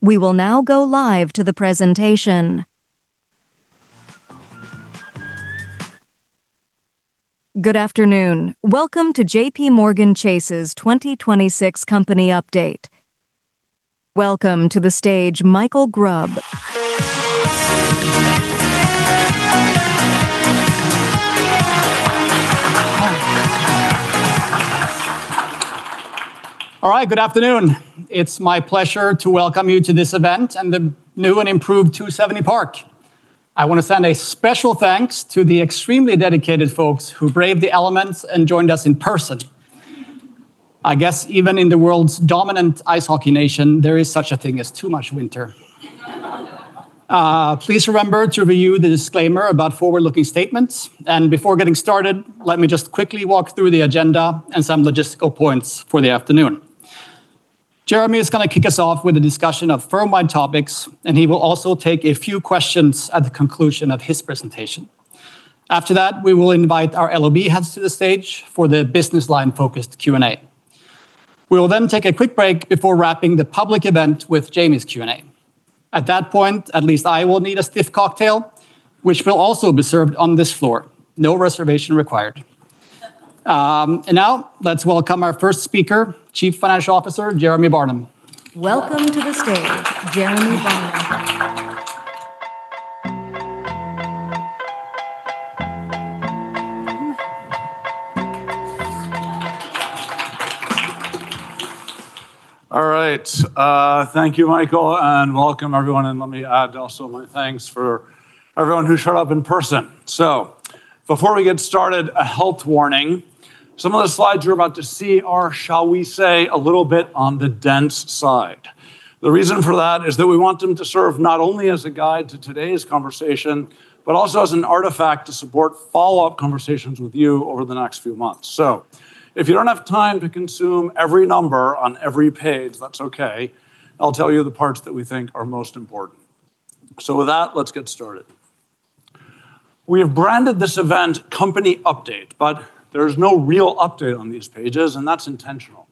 We will now go live to the presentation. Good afternoon. Welcome to JPMorgan Chase's 2026 Company Update. Welcome to the stage, Mikael Grubb. All right. Good afternoon. It's my pleasure to welcome you to this event and the new and improved two seventy Park. I want to send a special thanks to the extremely dedicated folks who braved the elements and joined us in person. I guess even in the world's dominant ice hockey nation, there is such a thing as too much winter. Please remember to review the disclaimer about forward-looking statements. Before getting started, let me just quickly walk through the agenda and some logistical points for the afternoon. Jeremy is going to kick us off with a discussion of firm-wide topics, and he will also take a few questions at the conclusion of his presentation. After that, we will invite our LOB heads to the stage for the business line-focused Q&A. We will then take a quick break before wrapping the public event with Jamie's Q&A. At that point, at least I will need a stiff cocktail, which will also be served on this floor, no reservation required. Now let's welcome our first speaker, Chief Financial Officer, Jeremy Barnum. Welcome to the stage, Jeremy Barnum. All right. Thank you, Mikael, and welcome, everyone, and let me add also my thanks for everyone who showed up in person. Before we get started, a health warning. Some of the slides you're about to see are, shall we say, a little bit on the dense side. The reason for that is that we want them to serve not only as a guide to today's conversation, but also as an artifact to support follow-up conversations with you over the next few months. If you don't have time to consume every number on every page, that's okay. I'll tell you the parts that we think are most important. With that, let's get started. We have branded this event Company Update, but there's no real update on these pages, and that's intentional.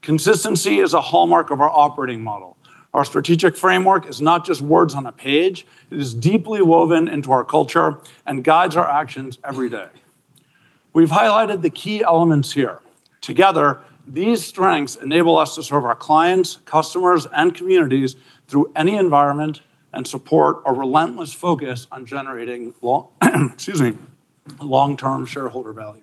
Consistency is a hallmark of our operating model. Our strategic framework is not just words on a page, it is deeply woven into our culture and guides our actions every day. We've highlighted the key elements here. Together, these strengths enable us to serve our clients, customers, and communities through any environment and support a relentless focus on generating long, excuse me, long-term shareholder value.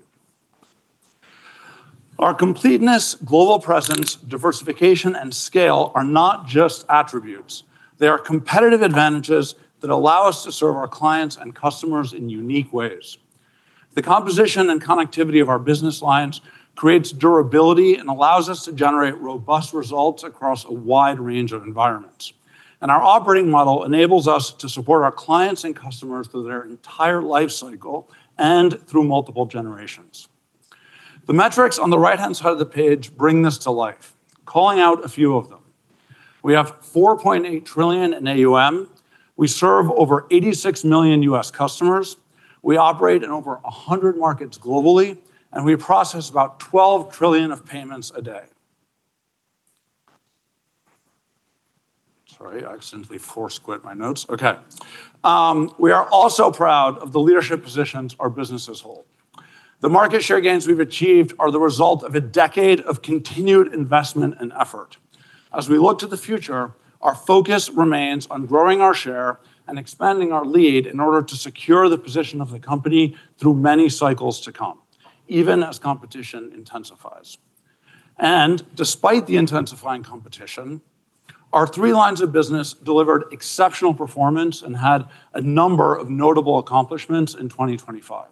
Our completeness, global presence, diversification, and scale are not just attributes. They are competitive advantages that allow us to serve our clients and customers in unique ways. The composition and connectivity of our business lines creates durability and allows us to generate robust results across a wide range of environments, and our operating model enables us to support our clients and customers through their entire life cycle and through multiple generations. The metrics on the right-hand side of the page bring this to life. Calling out a few of them: We have 4.8 trillion in AUM, we serve over 86 million U.S. customers, we operate in over 100 markets globally, and we process about 12 trillion of payments a day. Sorry, I accidentally forward skipped my notes. Okay. We are also proud of the leadership positions our businesses hold. The market share gains we've achieved are the result of a decade of continued investment and effort. As we look to the future, our focus remains on growing our share and expanding our lead in order to secure the position of the company through many cycles to come, even as competition intensifies. Despite the intensifying competition, our three lines of business delivered exceptional performance and had a number of notable accomplishments in 2025.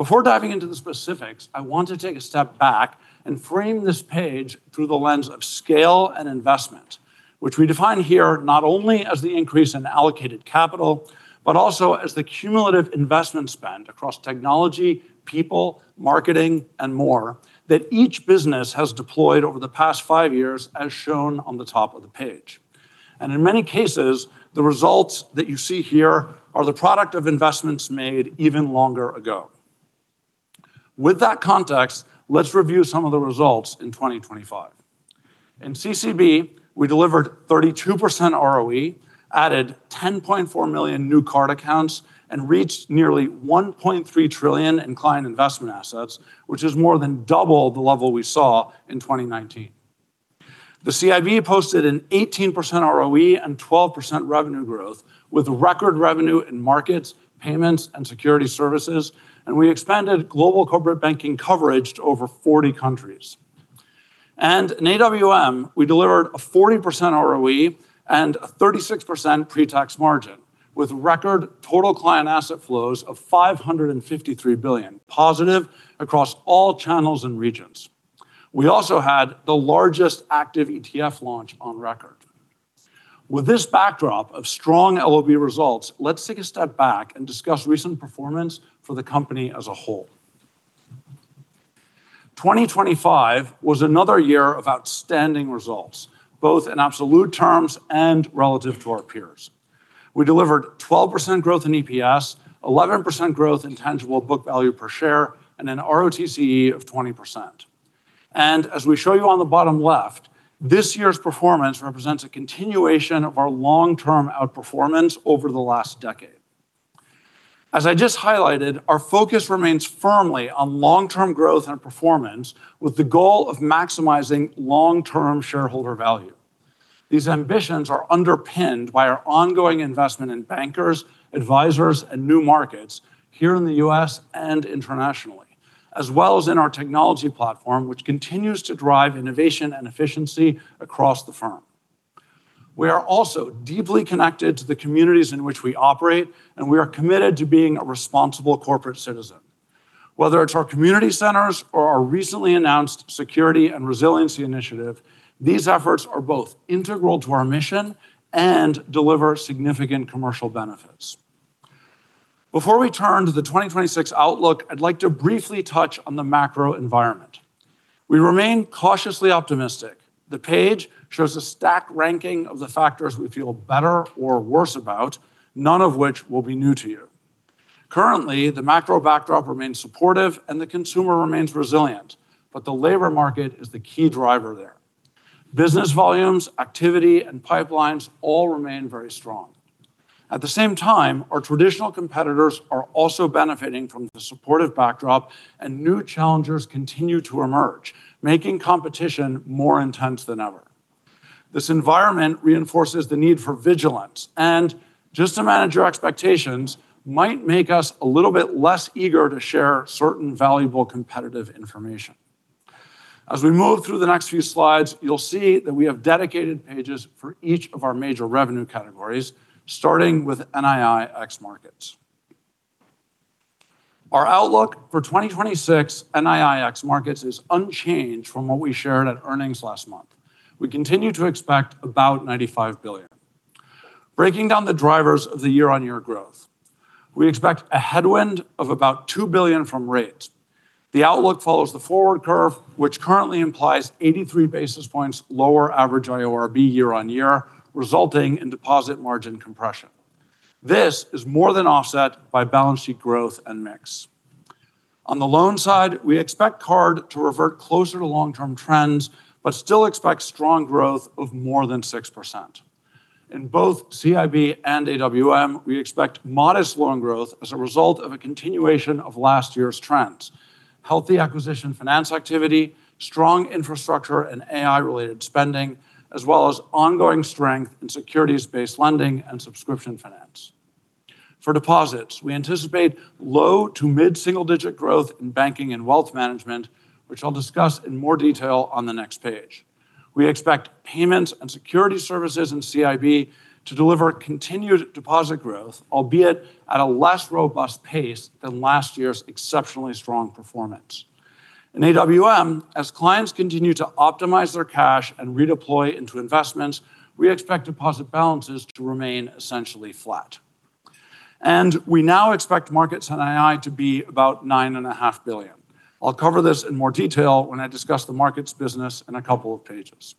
Before diving into the specifics, I want to take a step back and frame this page through the lens of scale and investment, which we define here not only as the increase in allocated capital, but also as the cumulative investment spend across technology, people, marketing, and more, that each business has deployed over the past five years, as shown on the top of the page. In many cases, the results that you see here are the product of investments made even longer ago. With that context, let's review some of the results in 2025. In CCB, we delivered 32% ROE, added 10.4 million new card accounts, and reached nearly $1.3 trillion in client investment assets, which is more than double the level we saw in 2019. The CIB posted an 18% ROE and 12% revenue growth, with record revenue in markets, payments, and security services, and we expanded global corporate banking coverage to over 40 countries. In AWM, we delivered a 40% ROE and a 36% pre-tax margin, with record total client asset flows of $553 billion, positive across all channels and regions. We also had the largest active ETF launch on record. With this backdrop of strong LOB results, let's take a step back and discuss recent performance for the company as a whole. 2025 was another year of outstanding results, both in absolute terms and relative to our peers. We delivered 12% growth in EPS, 11% growth in tangible book value per share, and an ROTCE of 20%. As we show you on the bottom left, this year's performance represents a continuation of our long-term outperformance over the last decade. As I just highlighted, our focus remains firmly on long-term growth and performance, with the goal of maximizing long-term shareholder value. These ambitions are underpinned by our ongoing investment in bankers, advisors, and new markets here in the U.S. and internationally, as well as in our technology platform, which continues to drive innovation and efficiency across the firm. We are also deeply connected to the communities in which we operate, and we are committed to being a responsible corporate citizen. Whether it's our community centers or our recently announced Security and Resiliency Initiative, these efforts are both integral to our mission and deliver significant commercial benefits. Before we turn to the 2026 outlook, I'd like to briefly touch on the macro environment. We remain cautiously optimistic. The page shows a stacked ranking of the factors we feel better or worse about, none of which will be new to you. Currently, the macro backdrop remains supportive and the consumer remains resilient. The labor market is the key driver there. Business volumes, activity, and pipelines all remain very strong. At the same time, our traditional competitors are also benefiting from the supportive backdrop. New challengers continue to emerge, making competition more intense than ever. This environment reinforces the need for vigilance. Just to manage your expectations, might make us a little bit less eager to share certain valuable competitive information. As we move through the next few slides, you'll see that we have dedicated pages for each of our major revenue categories, starting with NII ex-Markets. Our outlook for 2026 NII ex-Markets is unchanged from what we shared at earnings last month. We continue to expect about $95 billion. Breaking down the drivers of the year-on-year growth, we expect a headwind of about $2 billion from rates. The outlook follows the forward curve, which currently implies 83 basis points lower average IORB year-on-year, resulting in deposit margin compression. This is more than offset by balance sheet growth and mix. On the loan side, we expect card to revert closer to long-term trends, but still expect strong growth of more than 6%. In both CIB and AWM, we expect modest loan growth as a result of a continuation of last year's trends, healthy acquisition finance activity, strong infrastructure, and AI-related spending, as well as ongoing strength in securities-based lending and subscription finance. For deposits, we anticipate low to mid-single-digit growth in banking and wealth management, which I'll discuss in more detail on the next page. We expect payments and security services in CIB to deliver continued deposit growth, albeit at a less robust pace than last year's exceptionally strong performance. In AWM, as clients continue to optimize their cash and redeploy into investments, we expect deposit balances to remain essentially flat. We now expect markets NII to be about $9.5 billion. I'll cover this in more detail when I discuss the markets business in a couple of pages.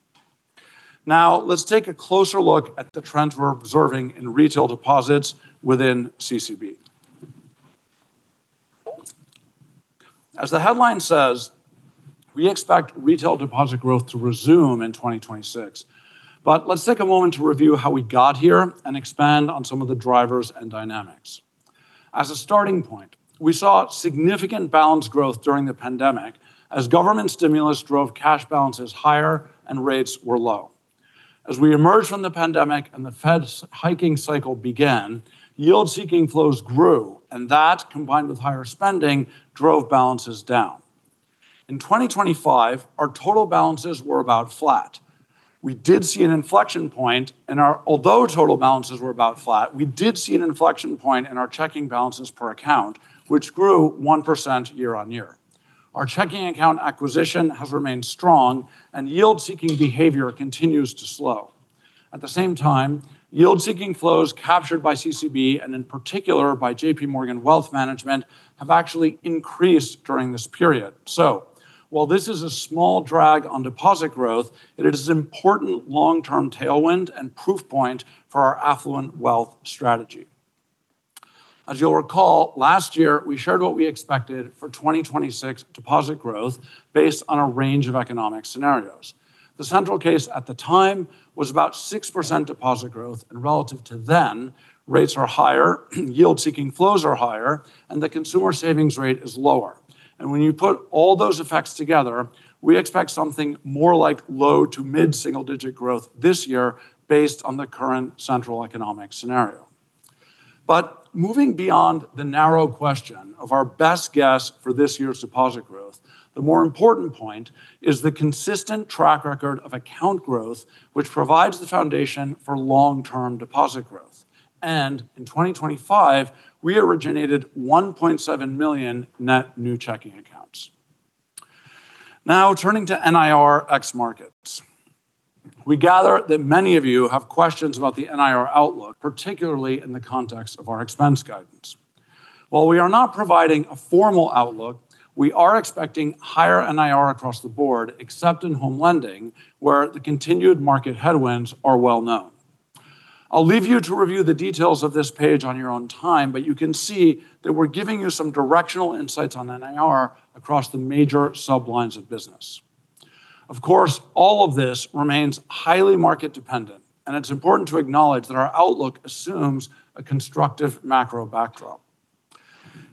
Let's take a closer look at the trends we're observing in retail deposits within CCB. As the headline says, we expect retail deposit growth to resume in 2026. Let's take a moment to review how we got here and expand on some of the drivers and dynamics. As a starting point, we saw significant balance growth during the pandemic as government stimulus drove cash balances higher and rates were low. As we emerged from the pandemic and the Fed's hiking cycle began, yield-seeking flows grew, and that, combined with higher spending, drove balances down. In 2025, our total balances were about flat. We did see an inflection point in our. Although total balances were about flat, we did see an inflection point in our checking balances per account, which grew 1% year-on-year. Our checking account acquisition has remained strong and yield-seeking behavior continues to slow. At the same time, yield-seeking flows captured by CCB, and in particular by JPMorgan Wealth Management, have actually increased during this period. While this is a small drag on deposit growth, it is an important long-term tailwind and proof point for our affluent wealth strategy. As you'll recall, last year, we shared what we expected for 2026 deposit growth based on a range of economic scenarios. The central case at the time was about 6% deposit growth, and relative to then, rates are higher, yield-seeking flows are higher, and the consumer savings rate is lower. When you put all those effects together, we expect something more like low to mid-single-digit growth this year based on the current central economic scenario. Moving beyond the narrow question of our best guess for this year's deposit growth, the more important point is the consistent track record of account growth, which provides the foundation for long-term deposit growth. In 2025, we originated 1.7 million net new checking accounts. Now, turning to NIR ex-Markets. We gather that many of you have questions about the NIR outlook, particularly in the context of our expense guidance. While we are not providing a formal outlook, we are expecting higher NIR across the board, except in home lending, where the continued market headwinds are well known. I'll leave you to review the details of this page on your own time, but you can see that we're giving you some directional insights on NIR across the major sub-lines of business. Of course, all of this remains highly market dependent, and it's important to acknowledge that our outlook assumes a constructive macro backdrop.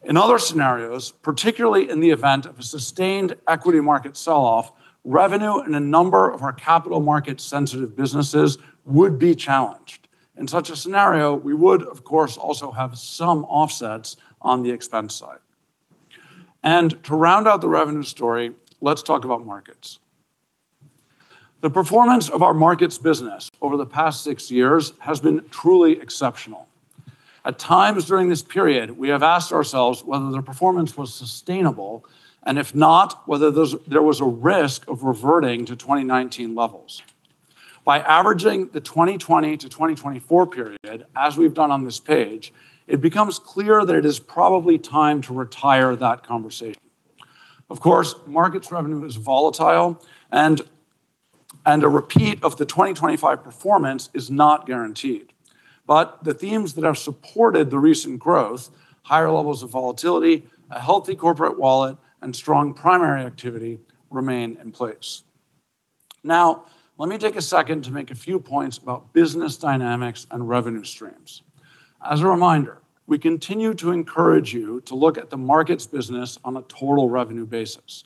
In other scenarios, particularly in the event of a sustained equity market sell-off, revenue in a number of our capital market-sensitive businesses would be challenged. In such a scenario, we would, of course, also have some offsets on the expense side. To round out the revenue story, let's talk about markets. The performance of our markets business over the past six years has been truly exceptional. At times during this period, we have asked ourselves whether the performance was sustainable, and if not, whether there was a risk of reverting to 2019 levels. By averaging the 2020 to 2024 period, as we've done on this page, it becomes clear that it is probably time to retire that conversation. Of course, markets revenue is volatile, and a repeat of the 2025 performance is not guaranteed. The themes that have supported the recent growth, higher levels of volatility, a healthy corporate wallet, and strong primary activity remain in place. Now, let me take a second to make a few points about business dynamics and revenue streams. As a reminder, we continue to encourage you to look at the markets business on a total revenue basis.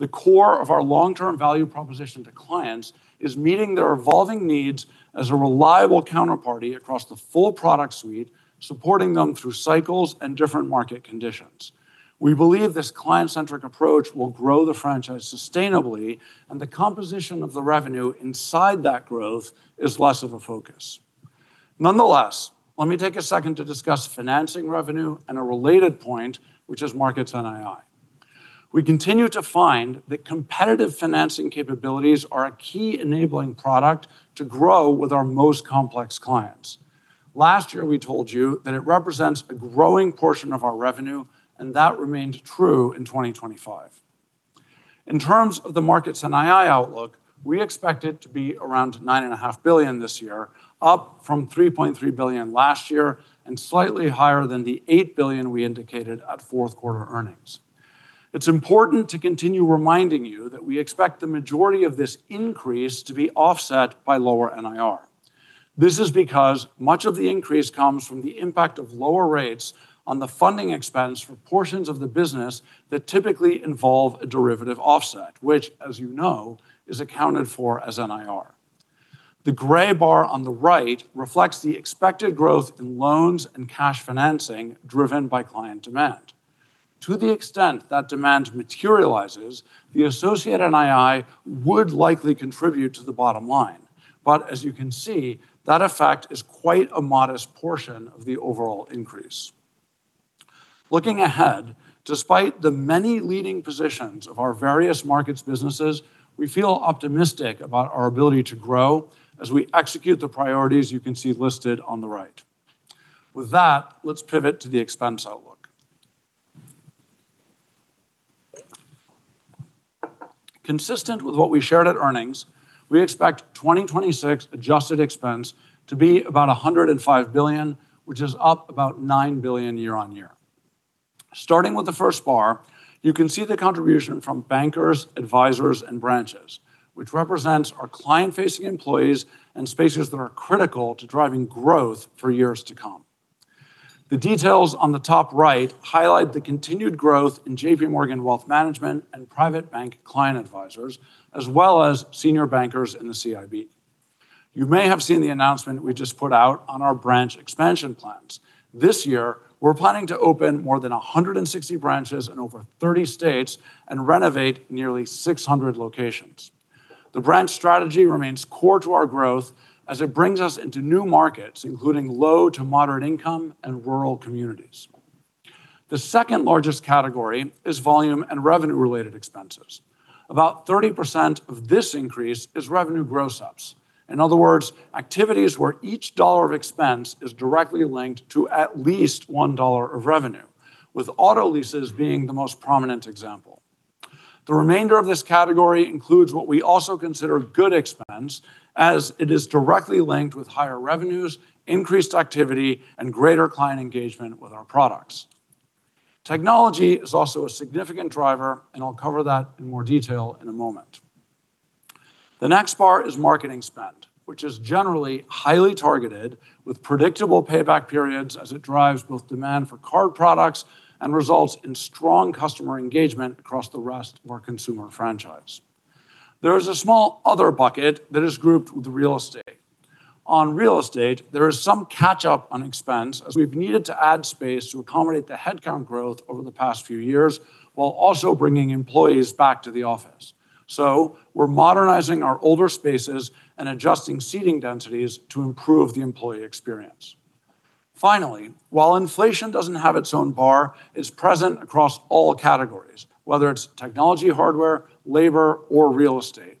The core of our long-term value proposition to clients is meeting their evolving needs as a reliable counterparty across the full product suite, supporting them through cycles and different market conditions. We believe this client-centric approach will grow the franchise sustainably, and the composition of the revenue inside that growth is less of a focus. Nonetheless, let me take a second to discuss financing revenue and a related point, which is markets NII. We continue to find that competitive financing capabilities are a key enabling product to grow with our most complex clients. Last year, we told you that it represents a growing portion of our revenue, and that remained true in 2025. In terms of the markets NII outlook, we expect it to be around $9.5 billion this year, up from $3.3 billion last year, and slightly higher than the $8 billion we indicated at fourth quarter earnings. It's important to continue reminding you that we expect the majority of this increase to be offset by lower NIR. This is because much of the increase comes from the impact of lower rates on the funding expense for portions of the business that typically involve a derivative offset, which, as you know, is accounted for as NIR. The gray bar on the right reflects the expected growth in loans and cash financing driven by client demand. To the extent that demand materializes, the associated NII would likely contribute to the bottom line. As you can see, that effect is quite a modest portion of the overall increase. Looking ahead, despite the many leading positions of our various markets businesses, we feel optimistic about our ability to grow as we execute the priorities you can see listed on the right. With that, let's pivot to the expense outlook. Consistent with what we shared at earnings, we expect 2026 adjusted expense to be about $105 billion, which is up about $9 billion year-over-year. Starting with the first bar, you can see the contribution from bankers, advisors, and branches, which represents our client-facing employees and spaces that are critical to driving growth for years to come. The details on the top right highlight the continued growth in JPMorgan Wealth Management and Private Bank client advisors, as well as senior bankers in the CIB. You may have seen the announcement we just put out on our branch expansion plans. This year, we're planning to open more than 160 branches in over 30 states and renovate nearly 600 locations. The branch strategy remains core to our growth as it brings us into new markets, including low to moderate income and rural communities. The second-largest category is volume and revenue-related expenses. About 30% of this increase is revenue gross ups. In other words, activities where each dollar of expense is directly linked to at least $1 of revenue, with auto leases being the most prominent example. The remainder of this category includes what we also consider good expense, as it is directly linked with higher revenues, increased activity, and greater client engagement with our products. Technology is also a significant driver, and I'll cover that in more detail in a moment. The next part is marketing spend, which is generally highly targeted, with predictable payback periods as it drives both demand for card products and results in strong customer engagement across the rest of our consumer franchise. There is a small other bucket that is grouped with real estate. On real estate, there is some catch-up on expense, as we've needed to add space to accommodate the headcount growth over the past few years, while also bringing employees back to the office. We're modernizing our older spaces and adjusting seating densities to improve the employee experience. Finally, while inflation doesn't have its own bar, it's present across all categories, whether it's technology, hardware, labor, or real estate.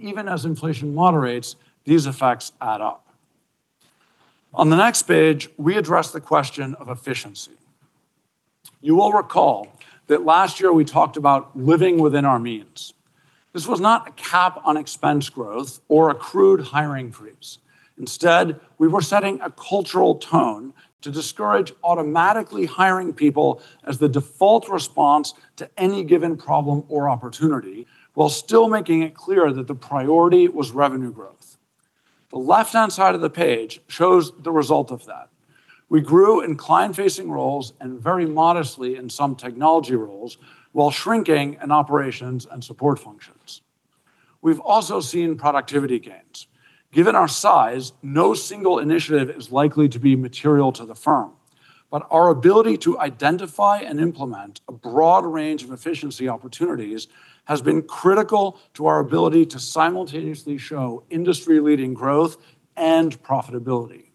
Even as inflation moderates, these effects add up. On the next page, we address the question of efficiency. You will recall that last year we talked about living within our means. This was not a cap on expense growth or a crude hiring freeze. Instead, we were setting a cultural tone to discourage automatically hiring people as the default response to any given problem or opportunity, while still making it clear that the priority was revenue growth. The left-hand side of the page shows the result of that. We grew in client-facing roles and very modestly in some technology roles, while shrinking in operations and support functions. We've also seen productivity gains. Given our size, no single initiative is likely to be material to the firm, but our ability to identify and implement a broad range of efficiency opportunities has been critical to our ability to simultaneously show industry-leading growth and profitability.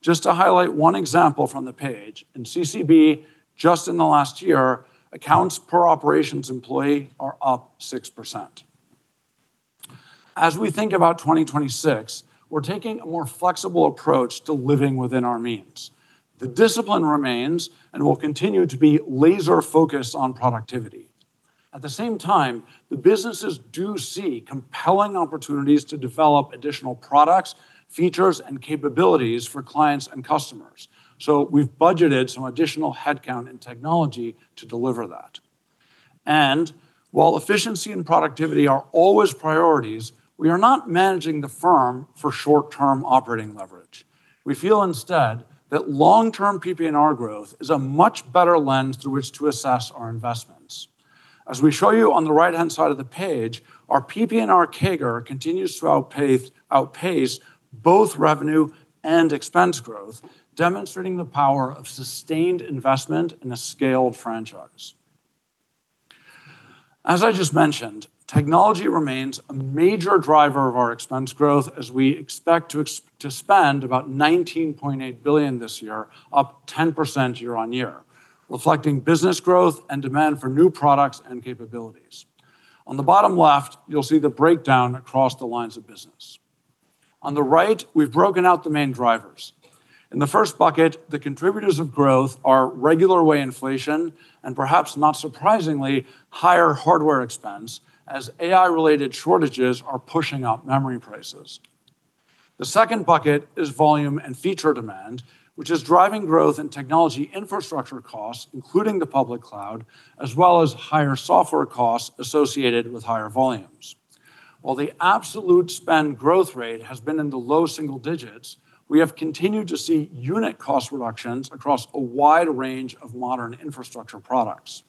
Just to highlight one example from the page, in CCB, just in the last year, accounts per operations employee are up 6%. As we think about 2026, we're taking a more flexible approach to living within our means. The discipline remains, we'll continue to be laser-focused on productivity. At the same time, the businesses do see compelling opportunities to develop additional products, features, and capabilities for clients and customers. We've budgeted some additional headcount and technology to deliver that. While efficiency and productivity are always priorities, we are not managing the firm for short-term operating leverage. We feel instead that long-term PPNR growth is a much better lens through which to assess our investments. As we show you on the right-hand side of the page, our PPNR CAGR continues to outpace, outpace both revenue and expense growth, demonstrating the power of sustained investment in a scaled franchise. As I just mentioned, technology remains a major driver of our expense growth, as we expect to spend about $19.8 billion this year, up 10% year-on-year, reflecting business growth and demand for new products and capabilities. On the bottom left, you'll see the breakdown across the lines of business. On the right, we've broken out the main drivers. In the first bucket, the contributors of growth are regular way inflation, and perhaps not surprisingly, higher hardware expense, as A.I.-related shortages are pushing up memory prices. The second bucket is volume and feature demand, which is driving growth in technology infrastructure costs, including the public cloud, as well as higher software costs associated with higher volumes. While the absolute spend growth rate has been in the low single digits, we have continued to see unit cost reductions across a wide range of modern infrastructure products.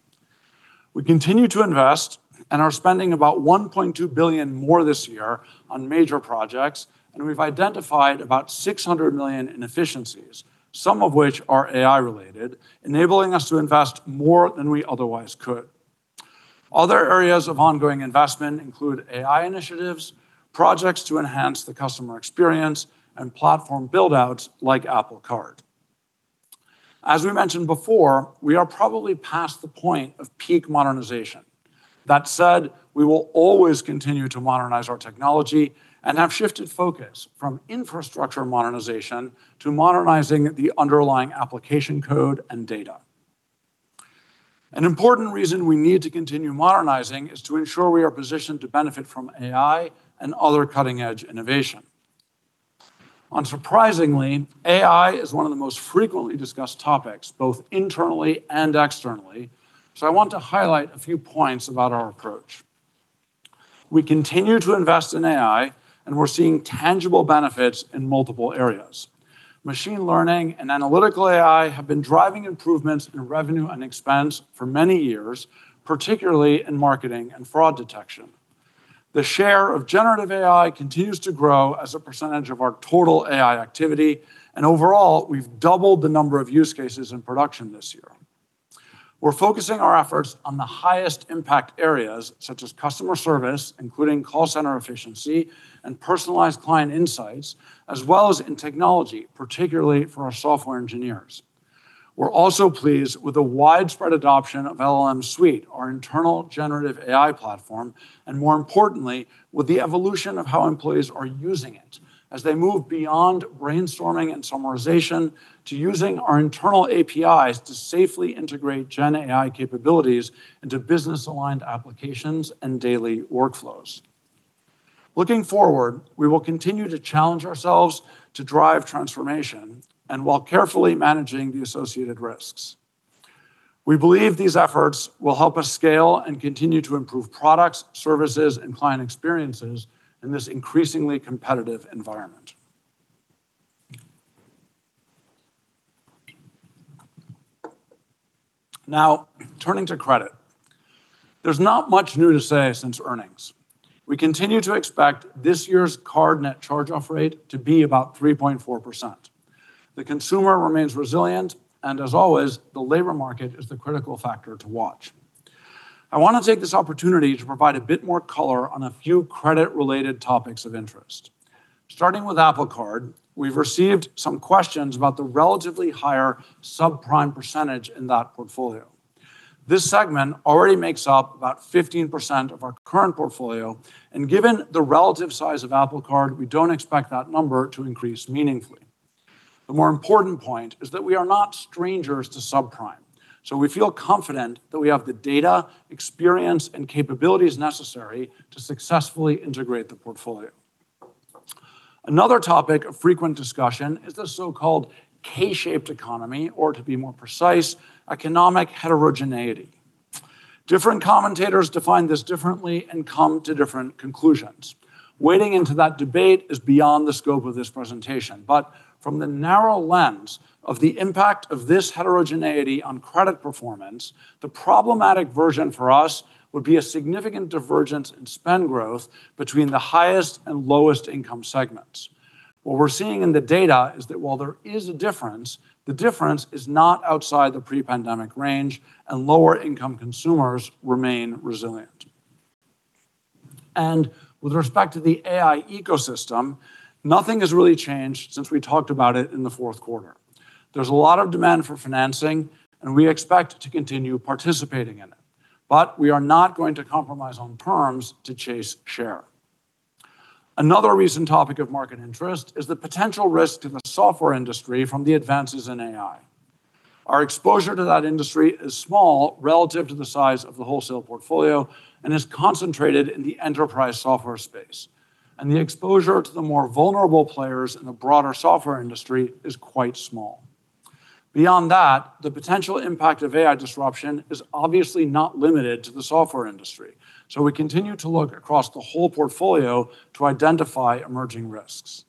We continue to invest and are spending about $1.2 billion more this year on major projects, and we've identified about $600 million in efficiencies, some of which are AI-related, enabling us to invest more than we otherwise could. Other areas of ongoing investment include AI initiatives, projects to enhance the customer experience, and platform build-outs like Apple Card. As we mentioned before, we are probably past the point of peak modernization. That said, we will always continue to modernize our technology and have shifted focus from infrastructure modernization to modernizing the underlying application code and data. An important reason we need to continue modernizing is to ensure we are positioned to benefit from AI and other cutting-edge innovation. Unsurprisingly, AI is one of the most frequently discussed topics, both internally and externally, so I want to highlight a few points about our approach. We continue to invest in AI, and we're seeing tangible benefits in multiple areas. Machine learning and analytical AI have been driving improvements in revenue and expense for many years, particularly in marketing and fraud detection. The share of generative AI continues to grow as a percentage of our total AI activity, and overall, we've doubled the number of use cases in production this year. We're focusing our efforts on the highest impact areas, such as customer service, including call center efficiency and personalized client insights, as well as in technology, particularly for our software engineers. We're also pleased with the widespread adoption of LLM Suite, our internal generative AI platform, and more importantly, with the evolution of how employees are using it, as they move beyond brainstorming and summarization to using our internal APIs to safely integrate gen AI capabilities into business-aligned applications and daily workflows. Looking forward, we will continue to challenge ourselves to drive transformation and while carefully managing the associated risks. We believe these efforts will help us scale and continue to improve products, services, and client experiences in this increasingly competitive environment. Now, turning to credit. There's not much new to say since earnings. We continue to expect this year's card net charge-off rate to be about 3.4%. The consumer remains resilient, and as always, the labor market is the critical factor to watch. I want to take this opportunity to provide a bit more color on a few credit-related topics of interest. Starting with Apple Card, we've received some questions about the relatively higher subprime % in that portfolio. This segment already makes up about 15% of our current portfolio, and given the relative size of Apple Card, we don't expect that number to increase meaningfully. The more important point is that we are not strangers to subprime, so we feel confident that we have the data, experience, and capabilities necessary to successfully integrate the portfolio. Another topic of frequent discussion is the so-called K-shaped economy, or to be more precise, economic heterogeneity. Different commentators define this differently and come to different conclusions. Wading into that debate is beyond the scope of this presentation, but from the narrow lens of the impact of this heterogeneity on credit performance, the problematic version for us would be a significant divergence in spend growth between the highest and lowest income segments. What we're seeing in the data is that while there is a difference, the difference is not outside the pre-pandemic range, and lower-income consumers remain resilient. With respect to the AI ecosystem, nothing has really changed since we talked about it in the fourth quarter. There's a lot of demand for financing, and we expect to continue participating in it, but we are not going to compromise on terms to chase share. Another recent topic of market interest is the potential risk to the software industry from the advances in AI. Our exposure to that industry is small relative to the size of the wholesale portfolio and is concentrated in the enterprise software space, and the exposure to the more vulnerable players in the broader software industry is quite small. Beyond that, the potential impact of AI disruption is obviously not limited to the software industry, we continue to look across the whole portfolio to identify emerging risks.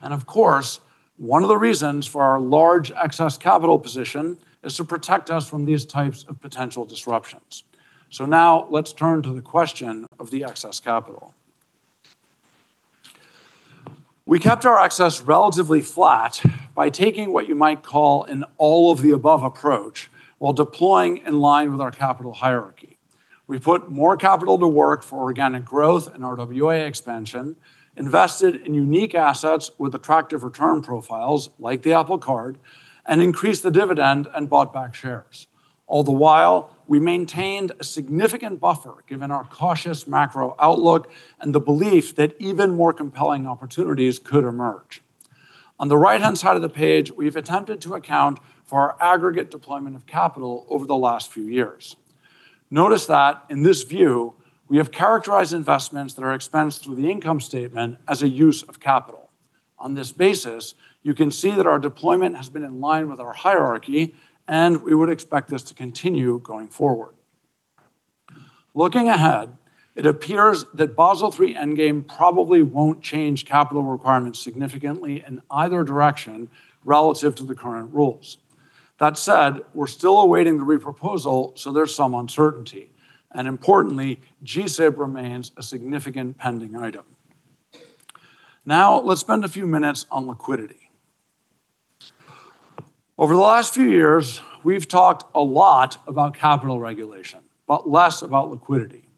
Of course, one of the reasons for our large excess capital position is to protect us from these types of potential disruptions. Now let's turn to the question of the excess capital. We kept our excess relatively flat by taking what you might call an all-of-the-above approach while deploying in line with our capital hierarchy. We put more capital to work for organic growth and RWA expansion, invested in unique assets with attractive return profiles, like the Apple Card, and increased the dividend and bought back shares. All the while, we maintained a significant buffer, given our cautious macro outlook and the belief that even more compelling opportunities could emerge. On the right-hand side of the page, we've attempted to account for our aggregate deployment of capital over the last few years. Notice that in this view, we have characterized investments that are expensed through the income statement as a use of capital. On this basis, you can see that our deployment has been in line with our hierarchy. We would expect this to continue going forward. Looking ahead, it appears that Basel III endgame probably won't change capital requirements significantly in either direction relative to the current rules. That said, we're still awaiting the re-proposal, so there's some uncertainty. Importantly, GSIB remains a significant pending item. Let's spend a few minutes on liquidity. Over the last few years, we've talked a lot about capital regulation, less about liquidity.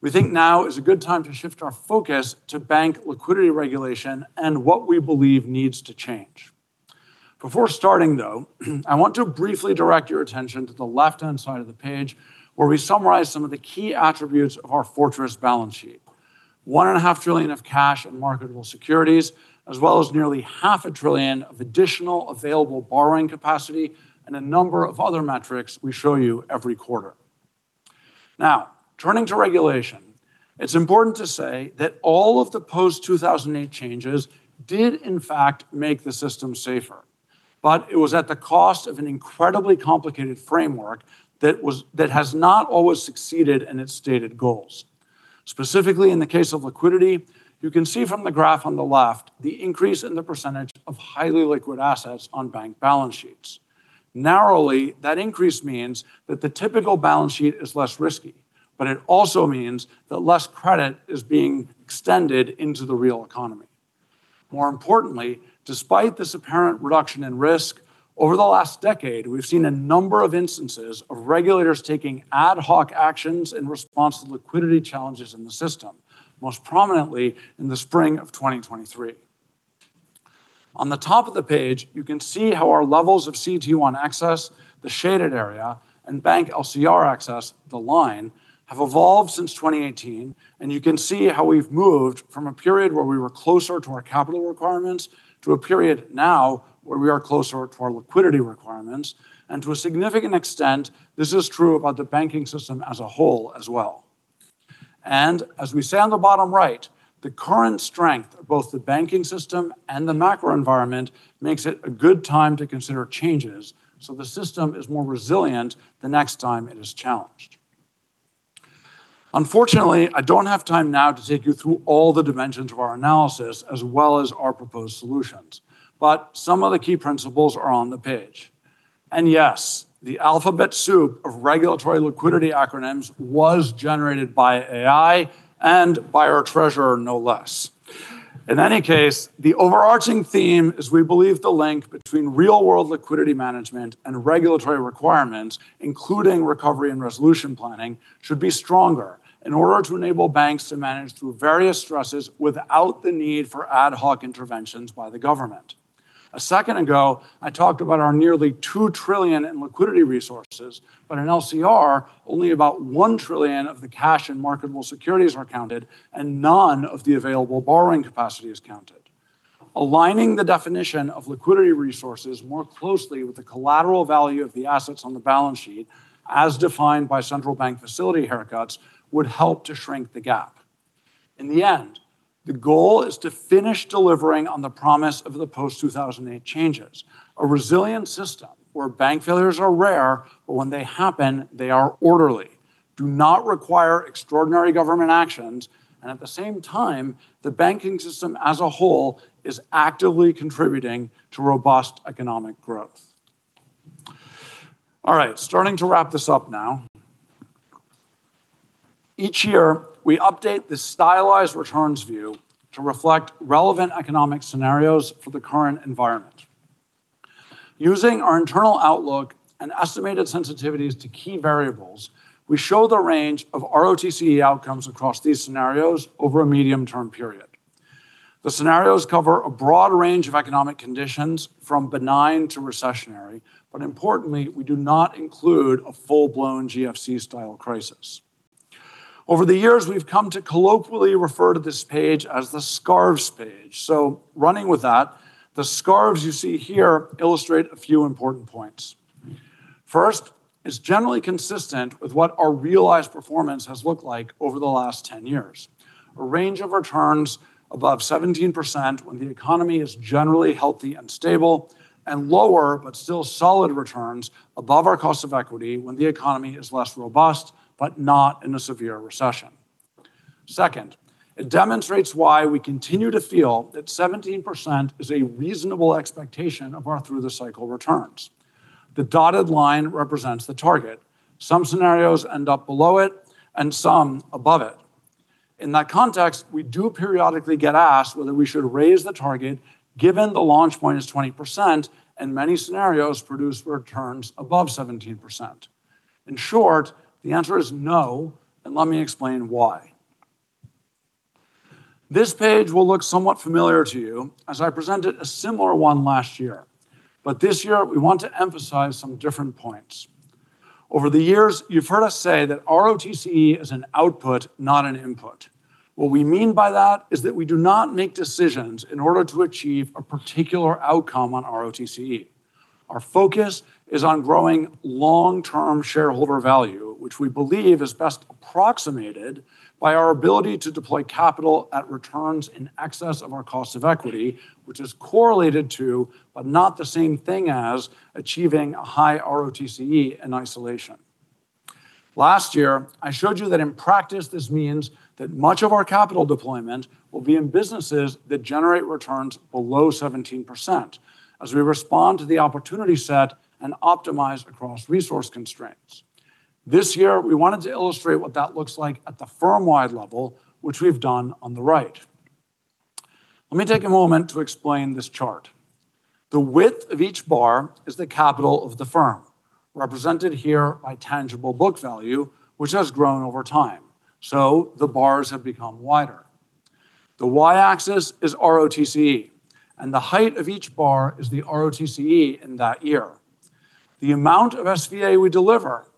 We think now is a good time to shift our focus to bank liquidity regulation and what we believe needs to change. Before starting, though, I want to briefly direct your attention to the left-hand side of the page, where we summarize some of the key attributes of our fortress balance sheet. $1.5 trillion of cash and marketable securities, as well as nearly $500 billion of additional available borrowing capacity and a number of other metrics we show you every quarter. Now, turning to regulation, it's important to say that all of the post-2008 changes did in fact, make the system safer, but it was at the cost of an incredibly complicated framework that has not always succeeded in its stated goals. Specifically, in the case of liquidity, you can see from the graph on the left the increase in the percentage of highly liquid assets on bank balance sheets. Narrowly, that increase means that the typical balance sheet is less risky, but it also means that less credit is being extended into the real economy. More importantly, despite this apparent reduction in risk, over the last decade, we've seen a number of instances of regulators taking ad hoc actions in response to liquidity challenges in the system, most prominently in the spring of 2023. On the top of the page, you can see how our levels of CET1 access, the shaded area, and bank LCR access, the line, have evolved since 2018. You can see how we've moved from a period where we were closer to our capital requirements, to a period now where we are closer to our liquidity requirements. To a significant extent, this is true about the banking system as a whole as well. As we say on the bottom right, the current strength of both the banking system and the macro environment makes it a good time to consider changes, so the system is more resilient the next time it is challenged. Unfortunately, I don't have time now to take you through all the dimensions of our analysis as well as our proposed solutions, but some of the key principles are on the page. Yes, the alphabet soup of regulatory liquidity acronyms was generated by AI and by our treasurer, no less. In any case, the overarching theme is we believe the link between real-world liquidity management and regulatory requirements, including recovery and resolution planning, should be stronger in order to enable banks to manage through various stresses without the need for ad hoc interventions by the government. A second ago, I talked about our nearly $2 trillion in liquidity resources, but in LCR, only about $1 trillion of the cash and marketable securities are counted, and none of the available borrowing capacity is counted. Aligning the definition of liquidity resources more closely with the collateral value of the assets on the balance sheet, as defined by central bank facility haircuts, would help to shrink the gap. In the end, the goal is to finish delivering on the promise of the post-2008 changes. A resilient system where bank failures are rare, but when they happen, they are orderly, do not require extraordinary government actions, and at the same time, the banking system as a whole is actively contributing to robust economic growth. All right, starting to wrap this up now. Each year, we update the stylized returns view to reflect relevant economic scenarios for the current environment. Using our internal outlook and estimated sensitivities to key variables, we show the range of ROTCE outcomes across these scenarios over a medium-term period. The scenarios cover a broad range of economic conditions, from benign to recessionary. Importantly, we do not include a full-blown GFC-style crisis. Over the years, we've come to colloquially refer to this page as the scarves page. Running with that, the scarves you see here illustrate a few important points. First, it's generally consistent with what our realized performance has looked like over the last 10 years. A range of returns above 17% when the economy is generally healthy and stable, and lower, but still solid returns above our cost of equity when the economy is less robust, but not in a severe recession. Second, it demonstrates why we continue to feel that 17% is a reasonable expectation of our through-the-cycle returns. The dotted line represents the target. Some scenarios end up below it and some above it. In that context, we do periodically get asked whether we should raise the target, given the launch point is 20% and many scenarios produce returns above 17%. In short, the answer is no, and let me explain why. This page will look somewhat familiar to you, as I presented a similar one last year. This year, we want to emphasize some different points. Over the years, you've heard us say that ROTCE is an output, not an input. What we mean by that is that we do not make decisions in order to achieve a particular outcome on ROTCE. Our focus is on growing long-term shareholder value, which we believe is best approximated by our ability to deploy capital at returns in excess of our cost of equity, which is correlated to, but not the same thing as, achieving a high ROTCE in isolation. Last year, I showed you that in practice, this means that much of our capital deployment will be in businesses that generate returns below 17% as we respond to the opportunity set and optimize across resource constraints. This year, we wanted to illustrate what that looks like at the firm-wide level, which we've done on the right. Let me take a moment to explain this chart. The width of each bar is the capital of the firm, represented here by tangible book value, which has grown over time, so the bars have become wider. The Y-axis is ROTCE. The height of each bar is the ROTCE in that year. The amount of SVA we deliver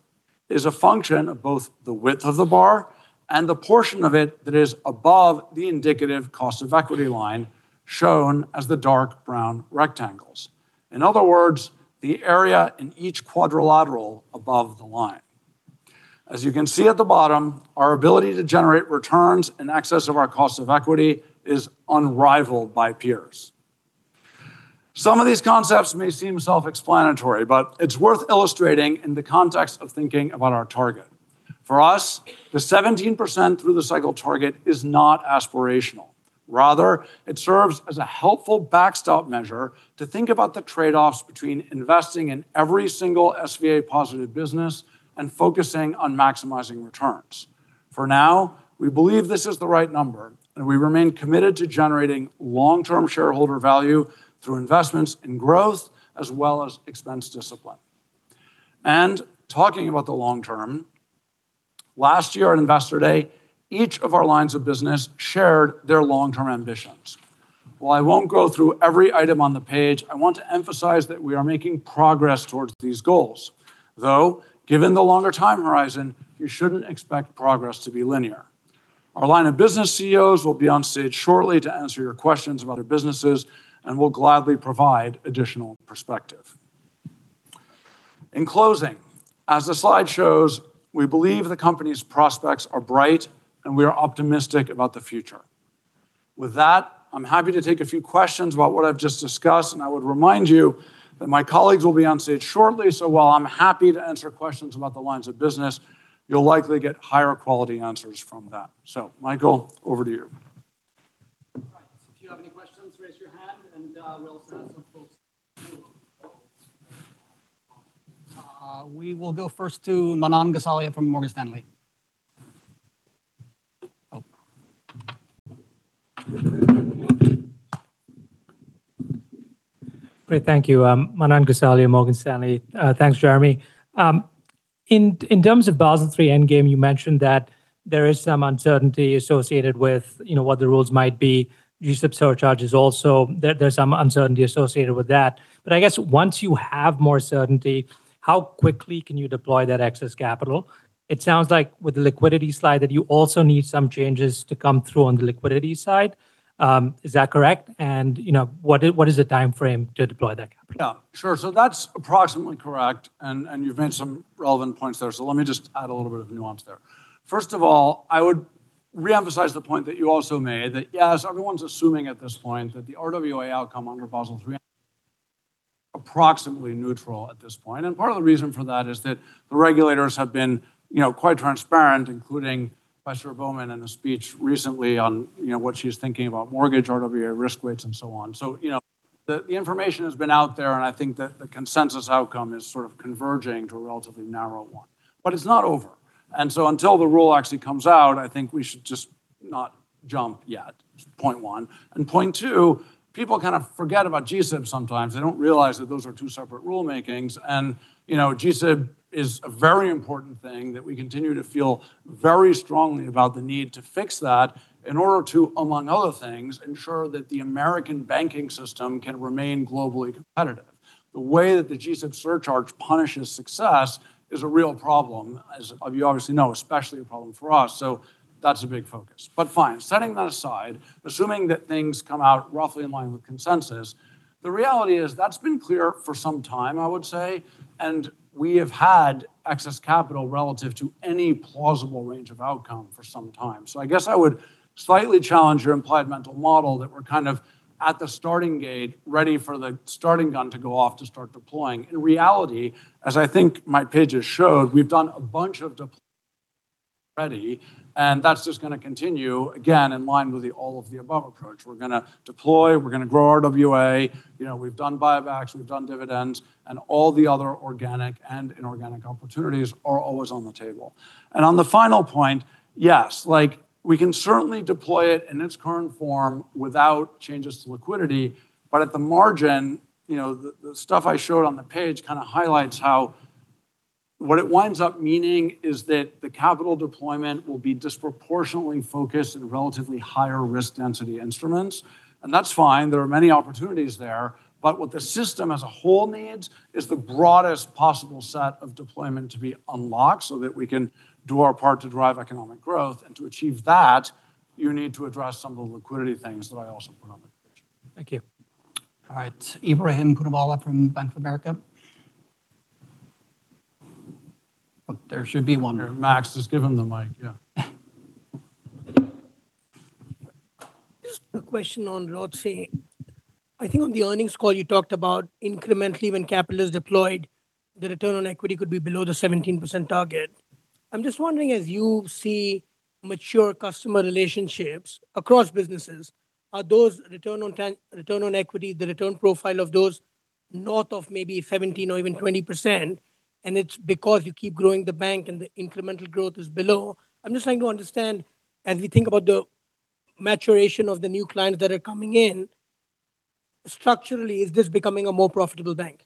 is a function of both the width of the bar and the portion of it that is above the indicative cost of equity line, shown as the dark brown rectangles. In other words, the area in each quadrilateral above the line. As you can see at the bottom, our ability to generate returns in excess of our cost of equity is unrivaled by peers. Some of these concepts may seem self-explanatory, but it's worth illustrating in the context of thinking about our target. For us, the 17% through the cycle target is not aspirational. Rather, it serves as a helpful backstop measure to think about the trade-offs between investing in every single SVA-positive business and focusing on maximizing returns. For now, we believe this is the right number, and we remain committed to generating long-term shareholder value through investments in growth, as well as expense discipline. Talking about the long term, last year at Investor Day, each of our lines of business shared their long-term ambitions. While I won't go through every item on the page, I want to emphasize that we are making progress towards these goals, though, given the longer time horizon, you shouldn't expect progress to be linear. Our line of business CEOs will be on stage shortly to answer your questions about our businesses and will gladly provide additional perspective. In closing, as the slide shows, we believe the company's prospects are bright, and we are optimistic about the future. With that, I'm happy to take a few questions about what I've just discussed, and I would remind you that my colleagues will be on stage shortly, so while I'm happy to answer questions about the lines of business, you'll likely get higher quality answers from them. Mikael, over to you. All right. If you have any questions, raise your hand and we'll send some folks. We will go first to Manan Gosalia from Morgan Stanley. Great. Thank you. Manan Gosalia, Morgan Stanley. thanks, Jeremy. In, in terms of Basel III Endgame, you mentioned that there is some uncertainty associated with, you know, what the rules might be. Use of surcharges also, there, there's some uncertainty associated with that. I guess once you have more certainty, how quickly can you deploy that excess capital? It sounds like with the liquidity slide, that you also need some changes to come through on the liquidity side. Is that correct? You know, what is, what is the time frame to deploy that capital? Yeah, sure. That's approximately correct, and you've made some relevant points there. Let me just add a little bit of nuance there. First of all, I would reemphasize the point that you also made, that yes, everyone's assuming at this point that the RWA outcome under Basel III, approximately neutral at this point. Part of the reason for that is that the regulators have been, you know, quite transparent, including Michelle Bowman in a speech recently on, you know, what she's thinking about mortgage RWA risk weights and so on. You know, the information has been out there, and I think that the consensus outcome is sort of converging to a relatively narrow one. It's not over. Until the rule actually comes out, I think we should just not jump yet, point one. Point two, people kind of forget about GSIB sometimes. They don't realize that those are two separate rulemakings. You know, GSIB is a very important thing that we continue to feel very strongly about the need to fix that in order to, among other things, ensure that the American banking system can remain globally competitive. The way that the GSIB surcharge punishes success is a real problem, as you obviously know, especially a problem for us. That's a big focus. Fine, setting that aside, assuming that things come out roughly in line with consensus, the reality is, that's been clear for some time, I would say, and we have had excess capital relative to any plausible range of outcome for some time. I guess I would slightly challenge your implied mental model that we're kind of at the starting gate, ready for the starting gun to go off to start deploying. In reality, as I think my pages showed, we've done a bunch of deploy ready, and that's just going to continue, again, in line with the all-of-the-above approach. We're going to deploy, we're going to grow RWA, you know, we've done buybacks, we've done dividends, and all the other organic and inorganic opportunities are always on the table. On the final point, yes, like, we can certainly deploy it in its current form without changes to liquidity, but at the margin, you know, the, the stuff I showed on the page kind of highlights how what it winds up meaning is that the capital deployment will be disproportionately focused in relatively higher risk density instruments. That's fine, there are many opportunities there, but what the system as a whole needs is the broadest possible set of deployment to be unlocked so that we can do our part to drive economic growth. To achieve that, you need to address some of the liquidity things that I also put on the page. Thank you. All right, Ebrahim Poonawala from Bank of America. There should be one. Max, just give him the mic. Yeah. Just a question on ROTCE. I think on the earnings call, you talked about incrementally when capital is deployed, the return on equity could be below the 17% target. I'm just wondering, as you see mature customer relationships across businesses, are those return on equity, the return profile of those north of maybe 17% or even 20%, and it's because you keep growing the bank and the incremental growth is below? I'm just trying to understand, as we think about the maturation of the new clients that are coming in, structurally, is this becoming a more profitable bank?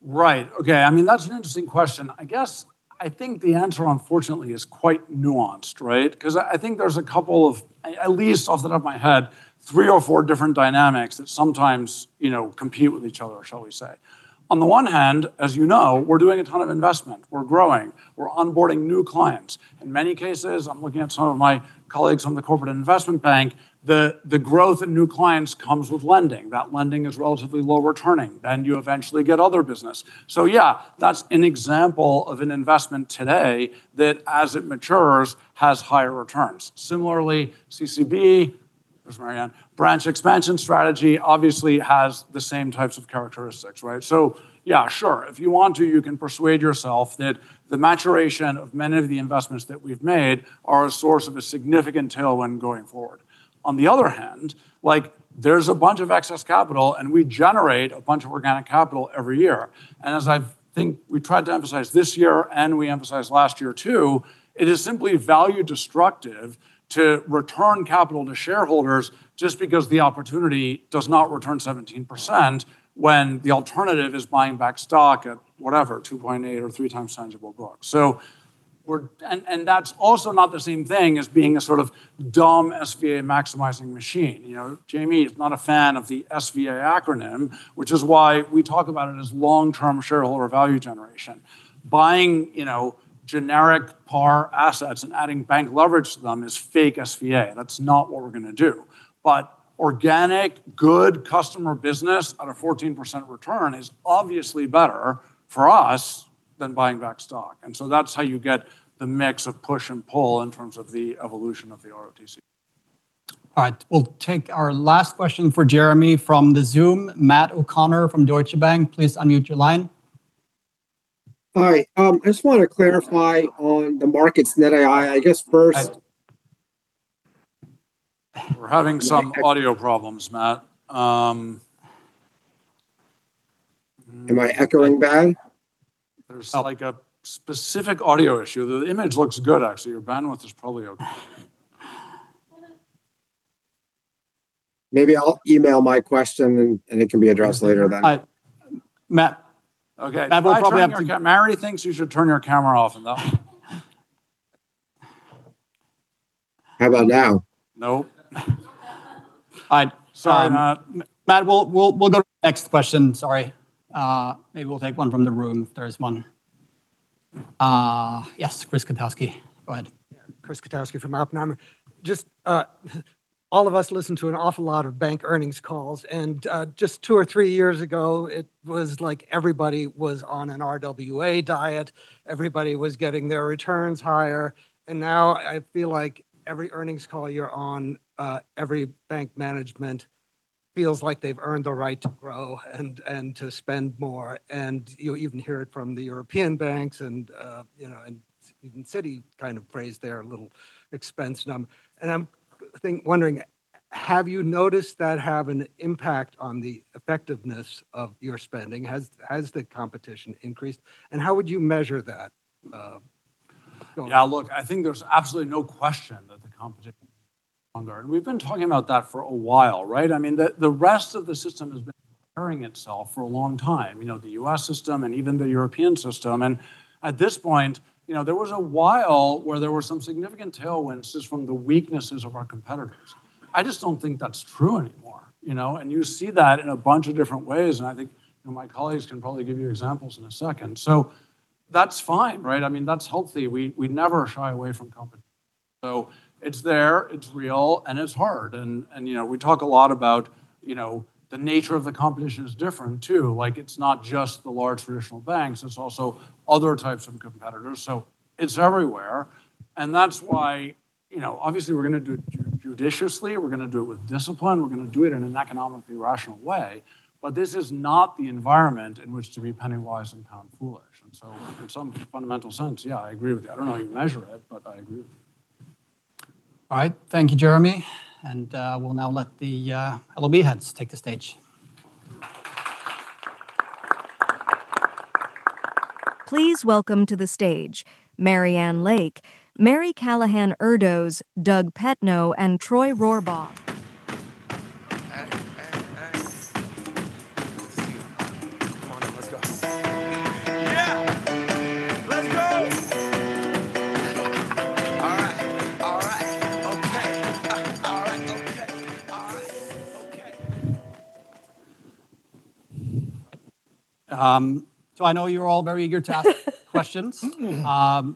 Right. Okay, I mean, that's an interesting question. I guess, I think the answer, unfortunately, is quite nuanced, right? Because I, I think there's a couple of, at least off the top of my head, three or four different dynamics that sometimes, you know, compete with each other, shall we say. On the one hand, as you know, we're doing a ton of investment. We're growing, we're onboarding new clients. In many cases, I'm looking at some of my colleagues from the Corporate & Investment Bank, the, the growth in new clients comes with lending. That lending is relatively low returning, then you eventually get other business. Yeah, that's an example of an investment today that, as it matures, has higher returns. Similarly, CCB, where's Marianne? Branch expansion strategy obviously has the same types of characteristics, right? Yeah, sure. If you want to, you can persuade yourself that the maturation of many of the investments that we've made are a source of a significant tailwind going forward. On the other hand, like, there's a bunch of excess capital, and we generate a bunch of organic capital every year. As I think we tried to emphasize this year, and we emphasized last year, too, it is simply value destructive to return capital to shareholders just because the opportunity does not return 17% when the alternative is buying back stock at whatever, 2.8 or 3 times tangible book. That's also not the same thing as being a sort of dumb SVA maximizing machine. You know, Jamie is not a fan of the SVA acronym, which is why we talk about it as long-term shareholder value generation. Buying, you know, generic par assets and adding bank leverage to them is fake SVA. That's not what we're going to do. Organic, good customer business at a 14% return is obviously better for us than buying back stock. So that's how you get the mix of push and pull in terms of the evolution of the ROTCE. All right, we'll take our last question for Jeremy from the Zoom, Matt O'Connor from Deutsche Bank. Please unmute your line. Hi, I just want to clarify on the markets NII. I guess first. We're having some audio problems, Matt. Am I echoing back? There's, like, a specific audio issue. The image looks good, actually. Your bandwidth is probably okay. Maybe I'll email my question, and, and it can be addressed later then. I, Matt. Okay. Matt, we'll probably have. Mary thinks you should turn your camera off and off. How about now? No. All right. Matt, we'll, we'll, we'll go to the next question. Sorry. Maybe we'll take one from the room if there is one. Yes, Chris Kotowski, go ahead. Yeah, Chris Kotowski from Oppenheimer. Just, all of us listen to an awful lot of bank earnings calls, just two or three years ago, it was like everybody was on an RWA diet. Everybody was getting their returns higher, now I feel like every earnings call you're on, every bank management feels like they've earned the right to grow and, and to spend more. You'll even hear it from the European banks, and, you know, even Citi kind of praised their little expense number. I'm think, wondering, have you noticed that have an impact on the effectiveness of your spending? Has, has the competition increased, and how would you measure that? Yeah, look, I think there's absolutely no question that the competition is longer. We've been talking about that for a while, right? I mean, the, the rest of the system has been preparing itself for a long time, you know, the U.S. system and even the European system. At this point, you know, there was a while where there were some significant tailwinds just from the weaknesses of our competitors. I just don't think that's true anymore, you know, and you see that in a bunch of different ways, and I think, you know, my colleagues can probably give you examples in a second. That's fine, right? I mean, that's healthy. We, we never shy away from competition. It's there, it's real, and it's hard. And, you know, we talk a lot about, you know, the nature of the competition is different, too. Like, it's not just the large traditional banks, it's also other types of competitors. It's everywhere, that's why, you know, obviously, we're gonna do it judiciously, we're gonna do it with discipline, we're gonna do it in an economically rational way. This is not the environment in which to be penny wise and pound foolish. In some fundamental sense, yeah, I agree with you. I don't know how you measure it, but I agree. All right. Thank you, Jeremy, we'll now let the LOB heads take the stage. Please welcome to the stage Marianne Lake, Mary Callahan Erdoes, Doug Petno, and Troy Rohrbaugh. I know you're all very eager to ask questions. Before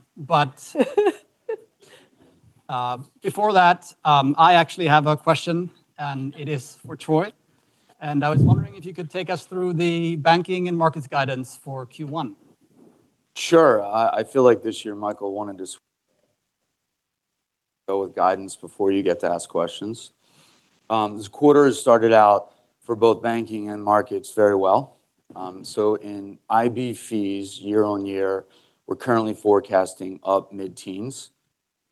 that, I actually have a question, and it is for Troy, and I was wondering if you could take us through the banking and markets guidance for Q1. Sure. I, I feel like this year, Mikael wanted to go with guidance before you get to ask questions. This quarter has started out for both banking and markets very well. In IB fees, year-on-year, we're currently forecasting up mid-teens,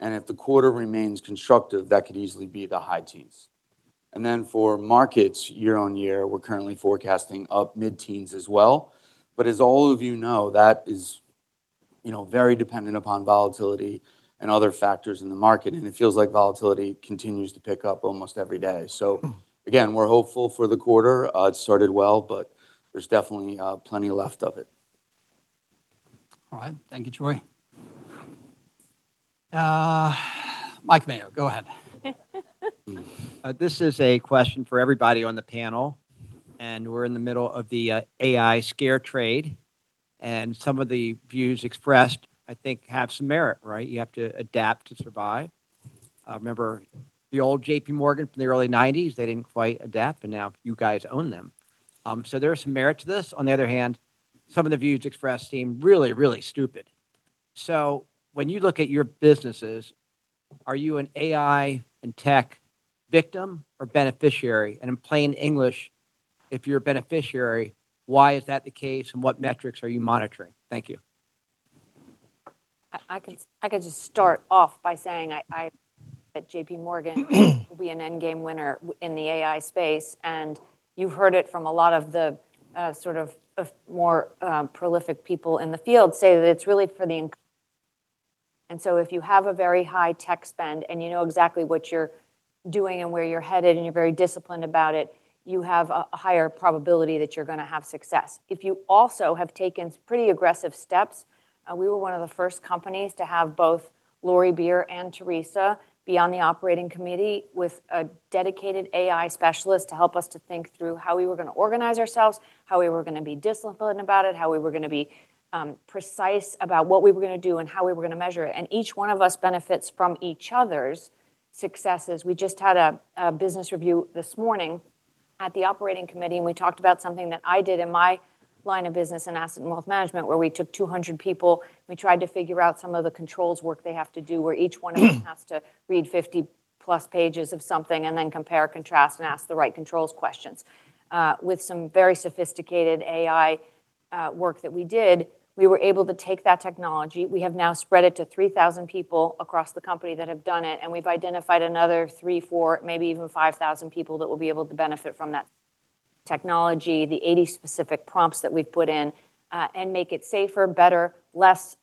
and if the quarter remains constructive, that could easily be the high teens. For markets, year-on-year, we're currently forecasting up mid-teens as well. As all of you know, that is, you know, very dependent upon volatility and other factors in the market, and it feels like volatility continues to pick up almost every day. Again, we're hopeful for the quarter. It started well, but there's definitely plenty left of it. All right. Thank you, Troy. Mike Mayo, go ahead. This is a question for everybody on the panel, and we're in the middle of the AI scare trade, and some of the views expressed, I think, have some merit, right? You have to adapt to survive. Remember the old JPMorgan from the early 1990s, they didn't quite adapt, but now you guys own them. There are some merit to this. On the other hand, some of the views expressed seem really, really stupid. When you look at your businesses, are you an AI and tech victim or beneficiary? In plain English, if you're a beneficiary, why is that the case, and what metrics are you monitoring? Thank you. I, I can, I can just start off by saying I, I, at JPMorgan, will be an endgame winner in the AI space, and you've heard it from a lot of the, sort of, more, prolific people in the field say that it's really for the. So if you have a very high tech spend, and you know exactly what you're doing and where you're headed, and you're very disciplined about it, you have a, a higher probability that you're gonna have success. If you also have taken pretty aggressive steps, we were one of the first companies to have both Lori Beer and Teresa be on the operating committee with a dedicated AI specialist to help us to think through how we were gonna organize ourselves, how we were gonna be disciplined about it, how we were gonna be precise about what we were gonna do, and how we were gonna measure it. Each one of us benefits from each other's successes. We just had a business review this morning at the operating committee. We talked about something that I did in my line of business in Asset & Wealth Management, where we took 200 people, and we tried to figure out some of the controls work they have to do, where each one of them has to read 50+ pages of something and then compare, contrast, and ask the right controls questions. With some very sophisticated AI work that we did, we were able to take that technology. We have now spread it to 3,000 people across the company that have done it, and we've identified another 3,000, 4,000, maybe even 5,000 people that will be able to benefit from that. technology, the 80 specific prompts that we've put in, and make it safer, better, less,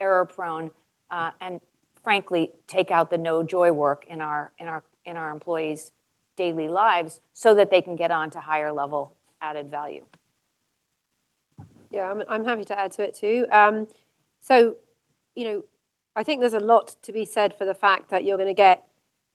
error-prone, and frankly, take out the no-joy work in our, in our, in our employees' daily lives so that they can get on to higher level added value. Yeah, I'm, I'm happy to add to it too. You know, I think there's a lot to be said for the fact that you're gonna get,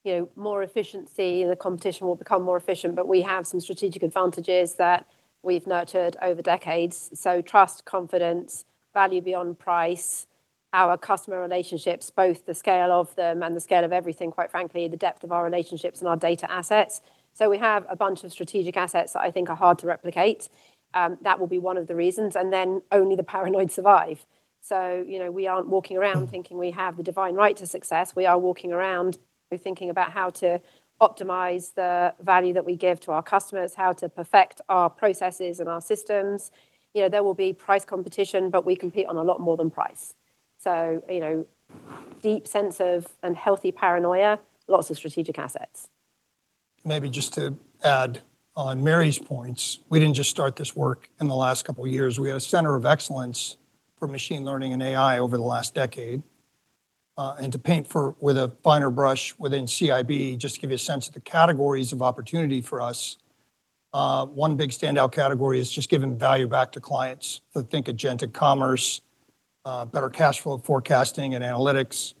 you know, more efficiency, and the competition will become more efficient. We have some strategic advantages that we've nurtured over decades, so trust, confidence, value beyond price, our customer relationships, both the scale of them and the scale of everything, quite frankly, the depth of our relationships and our data assets. We have a bunch of strategic assets that I think are hard to replicate. That will be one of the reasons, and then only the paranoid survive. You know, we aren't walking around thinking we have the divine right to success. We are walking around, we're thinking about how to optimize the value that we give to our customers, how to perfect our processes and our systems. You know, there will be price competition. We compete on a lot more than price. You know, deep sense of, and healthy paranoia, lots of strategic assets. Maybe just to add on Mary's points, we didn't just start this work in the last couple of years. We had a center of excellence for machine learning and AI over the last decade. And to paint for with a finer brush within CIB, just to give you a sense of the categories of opportunity for us, one big standout category is just giving value back to clients. Think agentic commerce, better cash flow forecasting and analytics,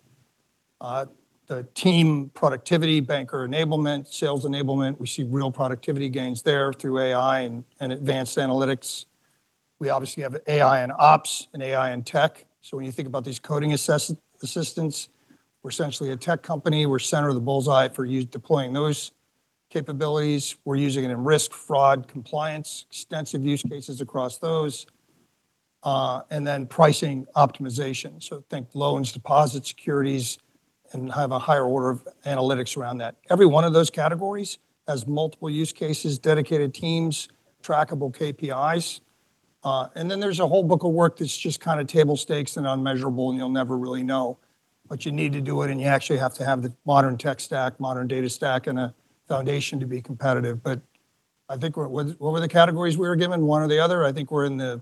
the team productivity, banker enablement, sales enablement. We see real productivity gains there through AI and advanced analytics. We obviously have AI and ops and AI and tech. When you think about these coding assistants, we're essentially a tech company. We're center of the bull's eye for us deploying those capabilities. We're using it in risk, fraud, compliance, extensive use cases across those, and then pricing optimization. Think loans, deposits, securities, and have a higher order of analytics around that. Every one of those categories has multiple use cases, dedicated teams, trackable KPIs, and then there's a whole book of work that's just kinda table stakes and unmeasurable, and you'll never really know. You need to do it, and you actually have to have the modern tech stack, modern data stack, and a foundation to be competitive. I think what, what were the categories we were given? One or the other. I think we're in the-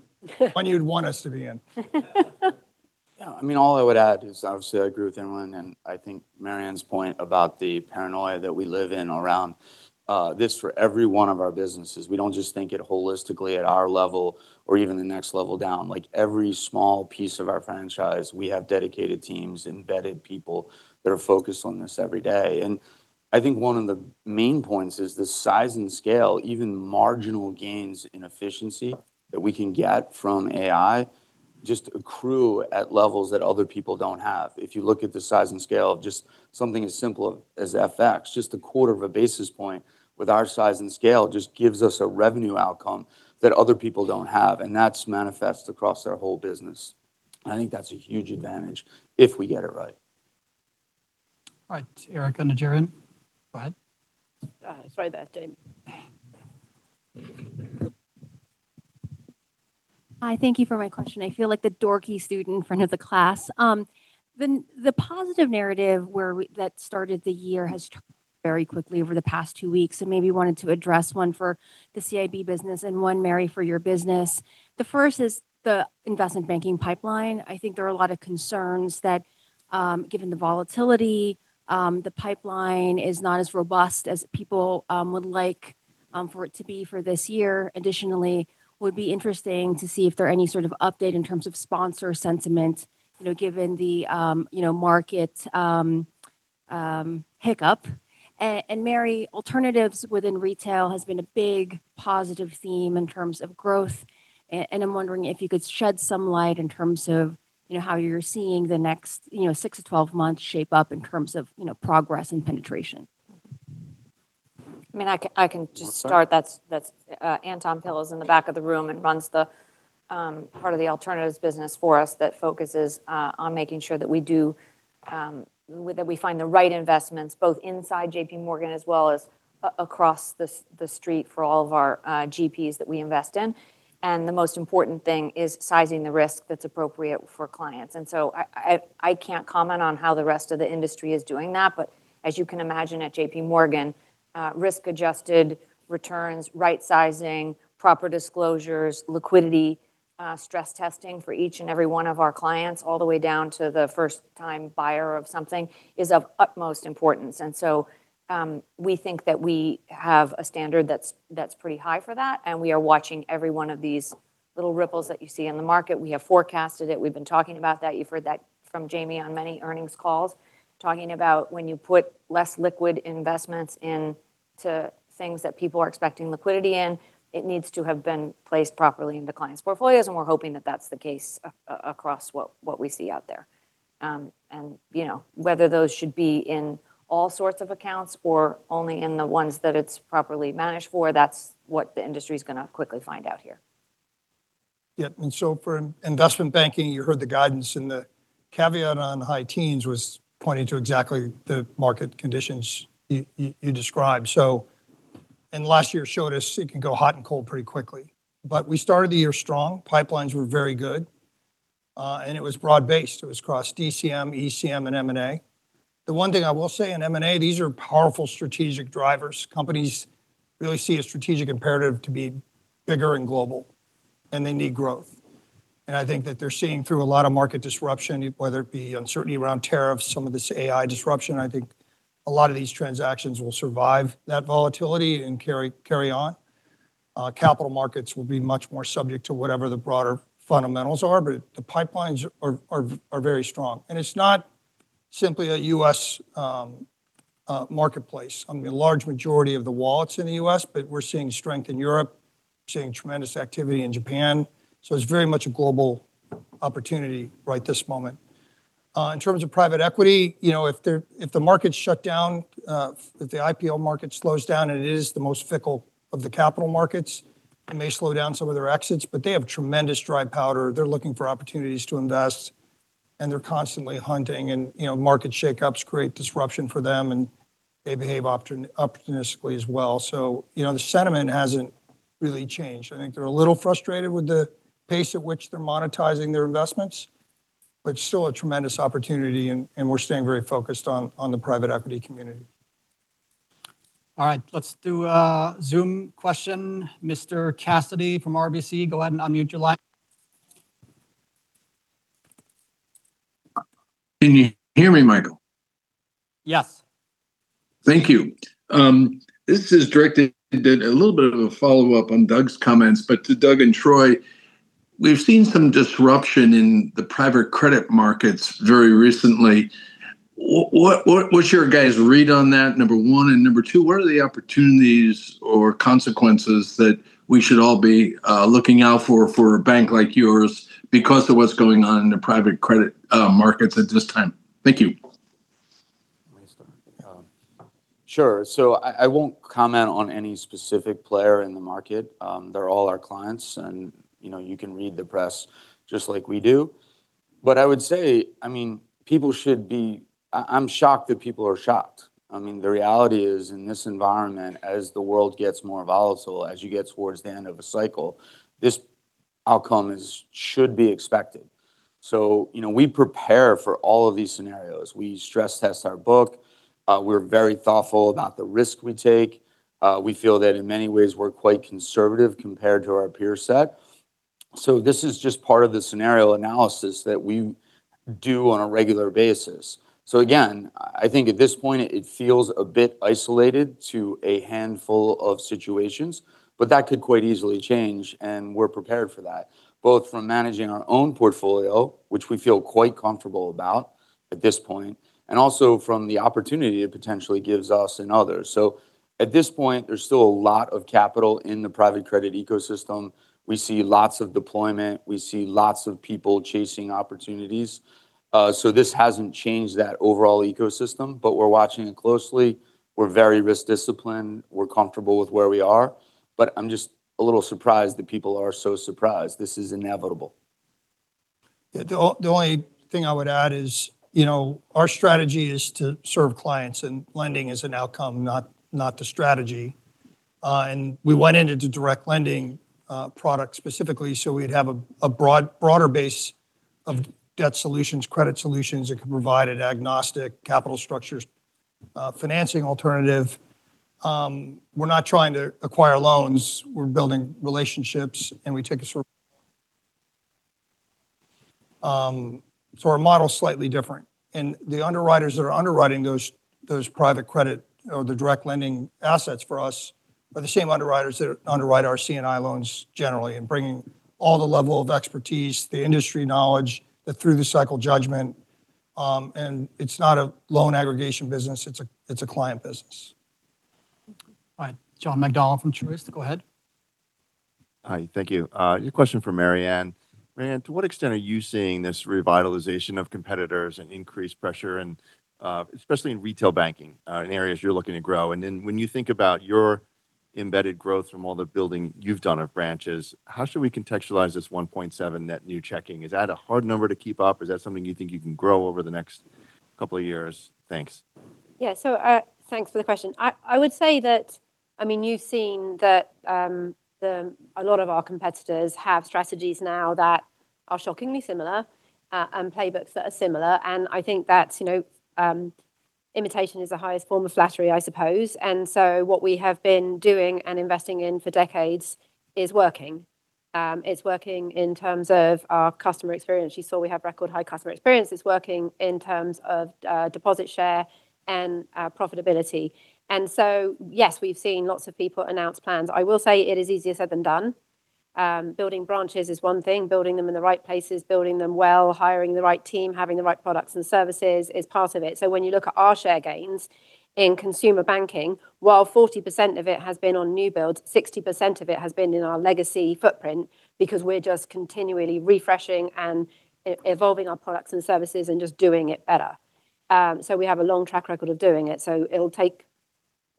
one you'd want us to be in. Yeah, I mean, all I would add is, obviously, I agree with everyone, and I think Marianne's point about the paranoia that we live in around this for every one of our businesses, we don't just think it holistically at our level or even the next level down. Like, every small piece of our franchise, we have dedicated teams, embedded people that are focused on this every day. I think one of the main points is the size and scale, even marginal gains in efficiency that we can get from AI, just accrue at levels that other people don't have. If you look at the size and scale of just something as simple as FX, just 0.25 basis points with our size and scale, just gives us a revenue outcome that other people don't have, and that's manifest across our whole business. I think that's a huge advantage if we get it right. All right, Erika Najarian. Go ahead. Hi, thank you for my question. I feel like the dorky student in front of the class. The, the positive narrative where we, that started the year has very quickly over the past two weeks, and maybe wanted to address one for the CIB business and one, Mary, for your business. The first is the investment banking pipeline. I think there are a lot of concerns that, given the volatility, the pipeline is not as robust as people would like for it to be for this year. Additionally, would be interesting to see if there are any sort of update in terms of sponsor sentiment, you know, given the, you know, market hiccup. Mary, alternatives within retail has been a big positive theme in terms of growth, and I'm wondering if you could shed some light in terms of, you know, how you're seeing the next, you know, six-12 months shape up in terms of, you know, progress and penetration? I mean, I can, I can just start. That's, that's Anton Pil is in the back of the room and runs the part of the Alternatives business for us that focuses on making sure that we do that we find the right investments, both inside JPMorgan as well as across the street for all of our GPs that we invest in. The most important thing is sizing the risk that's appropriate for clients. I, I, I can't comment on how the rest of the industry is doing that, but as you can imagine, at JPMorgan, risk-adjusted returns, right sizing, proper disclosures, liquidity, stress testing for each and every one of our clients, all the way down to the first-time buyer of something, is of utmost importance. We think that we have a standard that's, that's pretty high for that, and we are watching every one of these little ripples that you see in the market. We have forecasted it. We've been talking about that. You've heard that from Jamie on many earnings calls, talking about when you put less liquid investments into things that people are expecting liquidity in, it needs to have been placed properly in the client's portfolios, and we're hoping that that's the case across what we see out there. You know, whether those should be in all sorts of accounts or only in the ones that it's properly managed for, that's what the industry's gonna quickly find out here. For investment banking, you heard the guidance, and the caveat on high teens was pointing to exactly the market conditions you described. We started the year strong. Pipelines were very good. It was broad-based. It was across DCM, ECM, and M&A. The one thing I will say in M&A, these are powerful strategic drivers. Companies really see a strategic imperative to be bigger and global, and they need growth. I think that they're seeing through a lot of market disruption, whether it be uncertainty around tariffs, some of this AI disruption, I think a lot of these transactions will survive that volatility and carry on. Capital markets will be much more subject to whatever the broader fundamentals are, but the pipelines are very strong. It's not simply a U.S. marketplace. I mean, a large majority of the wallets in the U.S. We're seeing strength in Europe, we're seeing tremendous activity in Japan. It's very much a global opportunity right this moment. In terms of private equity, you know, if the, if the market shut down, if the IPO market slows down, and it is the most fickle of the capital markets, it may slow down some of their exits, but they have tremendous dry powder. They're looking for opportunities to invest, and they're constantly hunting, and, you know, market shakeups create disruption for them, and they behave opportunistically as well. You know, the sentiment hasn't really changed. I think they're a little frustrated with the pace at which they're monetizing their investments, but still a tremendous opportunity, and we're staying very focused on the private equity community. All right, let's do a Zoom question. Mr. Cassidy from RBC, go ahead and unmute your line. Can you hear me, Mikael? Yes. Thank you. This is directed a little bit of a follow-up on Doug's comments, but to Doug and Troy, we've seen some disruption in the private credit markets very recently. What, what, what's your guys' read on that, number one? Number two, what are the opportunities or consequences that we should all be looking out for, for a bank like yours because of what's going on in the private credit markets at this time? Thank you. Sure. I, I won't comment on any specific player in the market. They're all our clients, and, you know, you can read the press just like we do. I would say, I mean, people should be-- I, I'm shocked that people are shocked. I mean, the reality is, in this environment, as the world gets more volatile, as you get towards the end of a cycle, this outcome is should be expected. You know, we prepare for all of these scenarios. We stress test our book, we're very thoughtful about the risk we take. We feel that in many ways, we're quite conservative compared to our peer set. This is just part of the scenario analysis that we do on a regular basis. Again, I think at this point it feels a bit isolated to a handful of situations, but that could quite easily change, and we're prepared for that, both from managing our own portfolio, which we feel quite comfortable about at this point, and also from the opportunity it potentially gives us and others. At this point, there's still a lot of capital in the private credit ecosystem. We see lots of deployment, we see lots of people chasing opportunities. This hasn't changed that overall ecosystem, but we're watching it closely. We're very risk discipline, we're comfortable with where we are, but I'm just a little surprised that people are so surprised. This is inevitable. Yeah, the only thing I would add is, you know, our strategy is to serve clients, and lending is an outcome, not, not the strategy. We went into direct lending product specifically, so we'd have a broader base of debt solutions, credit solutions that could provide an agnostic capital structures financing alternative. We're not trying to acquire loans, we're building relationships, and we take a. So our model is slightly different. The underwriters that are underwriting those, those private credit or the direct lending assets for us are the same underwriters that underwrite our CNI loans generally, bringing all the level of expertise, the industry knowledge, the through the cycle judgment. It's not a loan aggregation business, it's a, it's a client business. All right. John McDonald from Truist, go ahead. Hi, thank you. Your question for Marianne. Marianne, to what extent are you seeing this revitalization of competitors and increased pressure and, especially in retail banking, in areas you're looking to grow? When you think about your embedded growth from all the building you've done of branches, how should we contextualize this 1.7 net new checking? Is that a hard number to keep up, or is that something you think you can grow over the next couple of years? Thanks. Yeah. Thanks for the question. I, I would say that, I mean, you've seen that, the, a lot of our competitors have strategies now that are shockingly similar, and playbooks that are similar, and I think that, you know, imitation is the highest form of flattery, I suppose. What we have been doing and investing in for decades is working. It's working in terms of our customer experience. You saw we have record high customer experience. It's working in terms of, deposit share and, profitability. Yes, we've seen lots of people announce plans. I will say it is easier said than done. Building branches is one thing, building them in the right places, building them well, hiring the right team, having the right products and services is part of it. When you look at our share gains in consumer banking, while 40% of it has been on new build, 60% of it has been in our legacy footprint because we're just continually refreshing and evolving our products and services and just doing it better. We have a long track record of doing it, so it'll take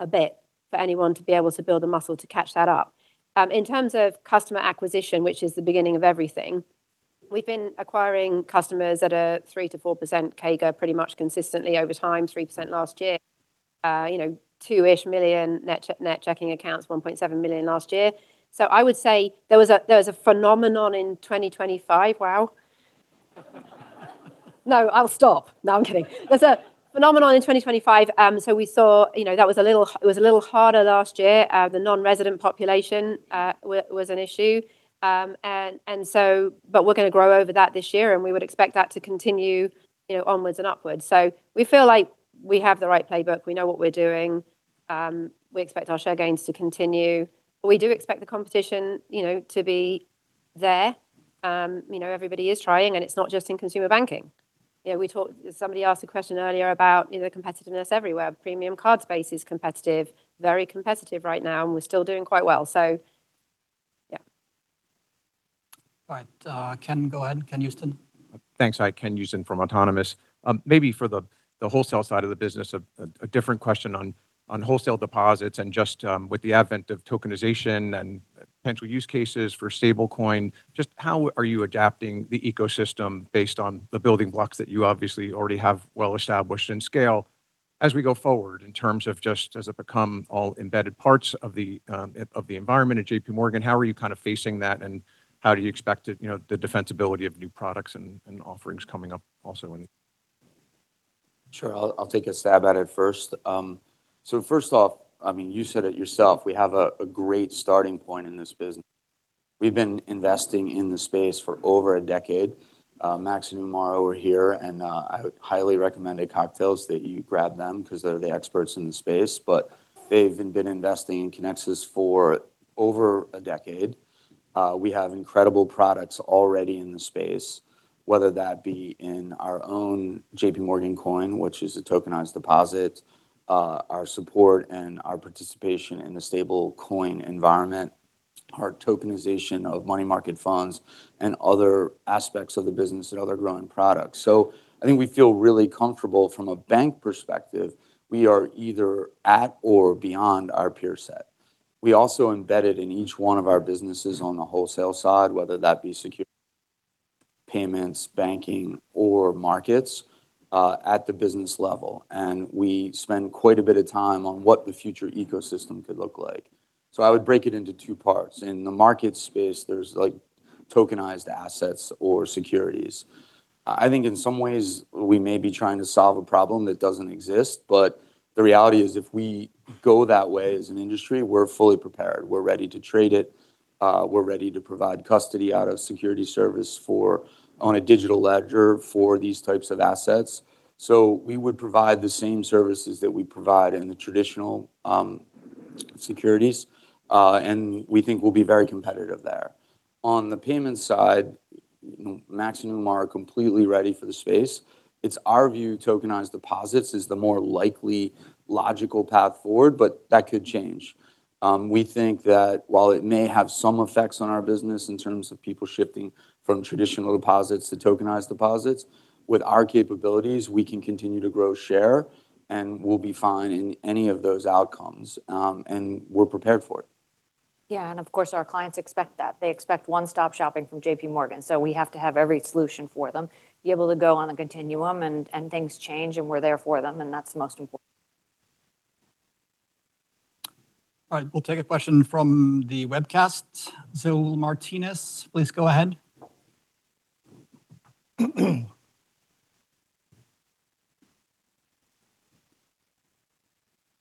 a bit for anyone to be able to build a muscle to catch that up. In terms of customer acquisition, which is the beginning of everything, we've been acquiring customers at a 3%-4% CAGR pretty much consistently over time, 3% last year. You know, 2-ish million net checking accounts, 1.7 million last year. I would say there was a, there was a phenomenon in 2025. Wow! No, I'll stop. No, I'm kidding. There's a phenomenon in 2025, so we saw, you know, that was a little, it was a little harder last year. The non-resident population, was, was an issue, but we're going to grow over that this year, and we would expect that to continue, you know, onwards and upwards. We feel like we have the right playbook, we know what we're doing. We expect our share gains to continue, but we do expect the competition, you know, to be there. You know, everybody is trying, and it's not just in consumer banking. You know, we talked, somebody asked a question earlier about, you know, competitiveness everywhere. Premium card space is competitive, very competitive right now, and we're still doing quite well. Yeah. All right, Ken, go ahead. Ken Houston. Thanks. I'm Ken Houston from Autonomous. Maybe for the, the wholesale side of the business, a, a different question on, on wholesale deposits and just, with the advent of tokenization and potential use cases for stable coin, just how are you adapting the ecosystem based on the building blocks that you obviously already have well established in scale as we go forward, in terms of just as it become all embedded parts of the, of the environment at JPMorgan, how are you kind of facing that, and how do you expect it, you know, the defensibility of new products and, and offerings coming up also in? Sure. I'll, I'll take a stab at it first. First off, I mean, you said it yourself, we have a, a great starting point in this business. We've been investing in the space for over a decade. Max and Umar are over here, and I would highly recommend at cocktails that you grab them because they're the experts in the space, but they've been investing in Kinexys for over a decade. We have incredible products already in the space, whether that be in our own JPMorgan Coin, which is a tokenized deposit, our support and our participation in the stablecoin environment, our tokenization of money market funds and other aspects of the business and other growing products. I think we feel really comfortable from a bank perspective. We are either at or beyond our peer set. We also embedded in each one of our businesses on the wholesale side, whether that be secure payments, banking, or markets, at the business level, and we spend quite a bit of time on what the future ecosystem could look like. I would break it into two parts. In the market space, there's, like, tokenized assets or securities. I think in some ways we may be trying to solve a problem that doesn't exist, but the reality is, if we go that way as an industry, we're fully prepared, we're ready to trade it, we're ready to provide custody out of security service for, on a digital ledger for these types of assets. We would provide the same services that we provide in the traditional securities, and we think we'll be very competitive there. On the payment side, Max and Umar are completely ready for the space. It's our view, tokenized deposits is the more likely logical path forward, but that could change. We think that while it may have some effects on our business in terms of people shifting from traditional deposits to tokenized deposits, with our capabilities, we can continue to grow, share, and we'll be fine in any of those outcomes, and we're prepared for it. Yeah, of course, our clients expect that. They expect one-stop shopping from JPMorgan. We have to have every solution for them, be able to go on a continuum and things change, and we're there for them. That's the most important. All right, we'll take a question from the webcast. Saul Martinez, please go ahead.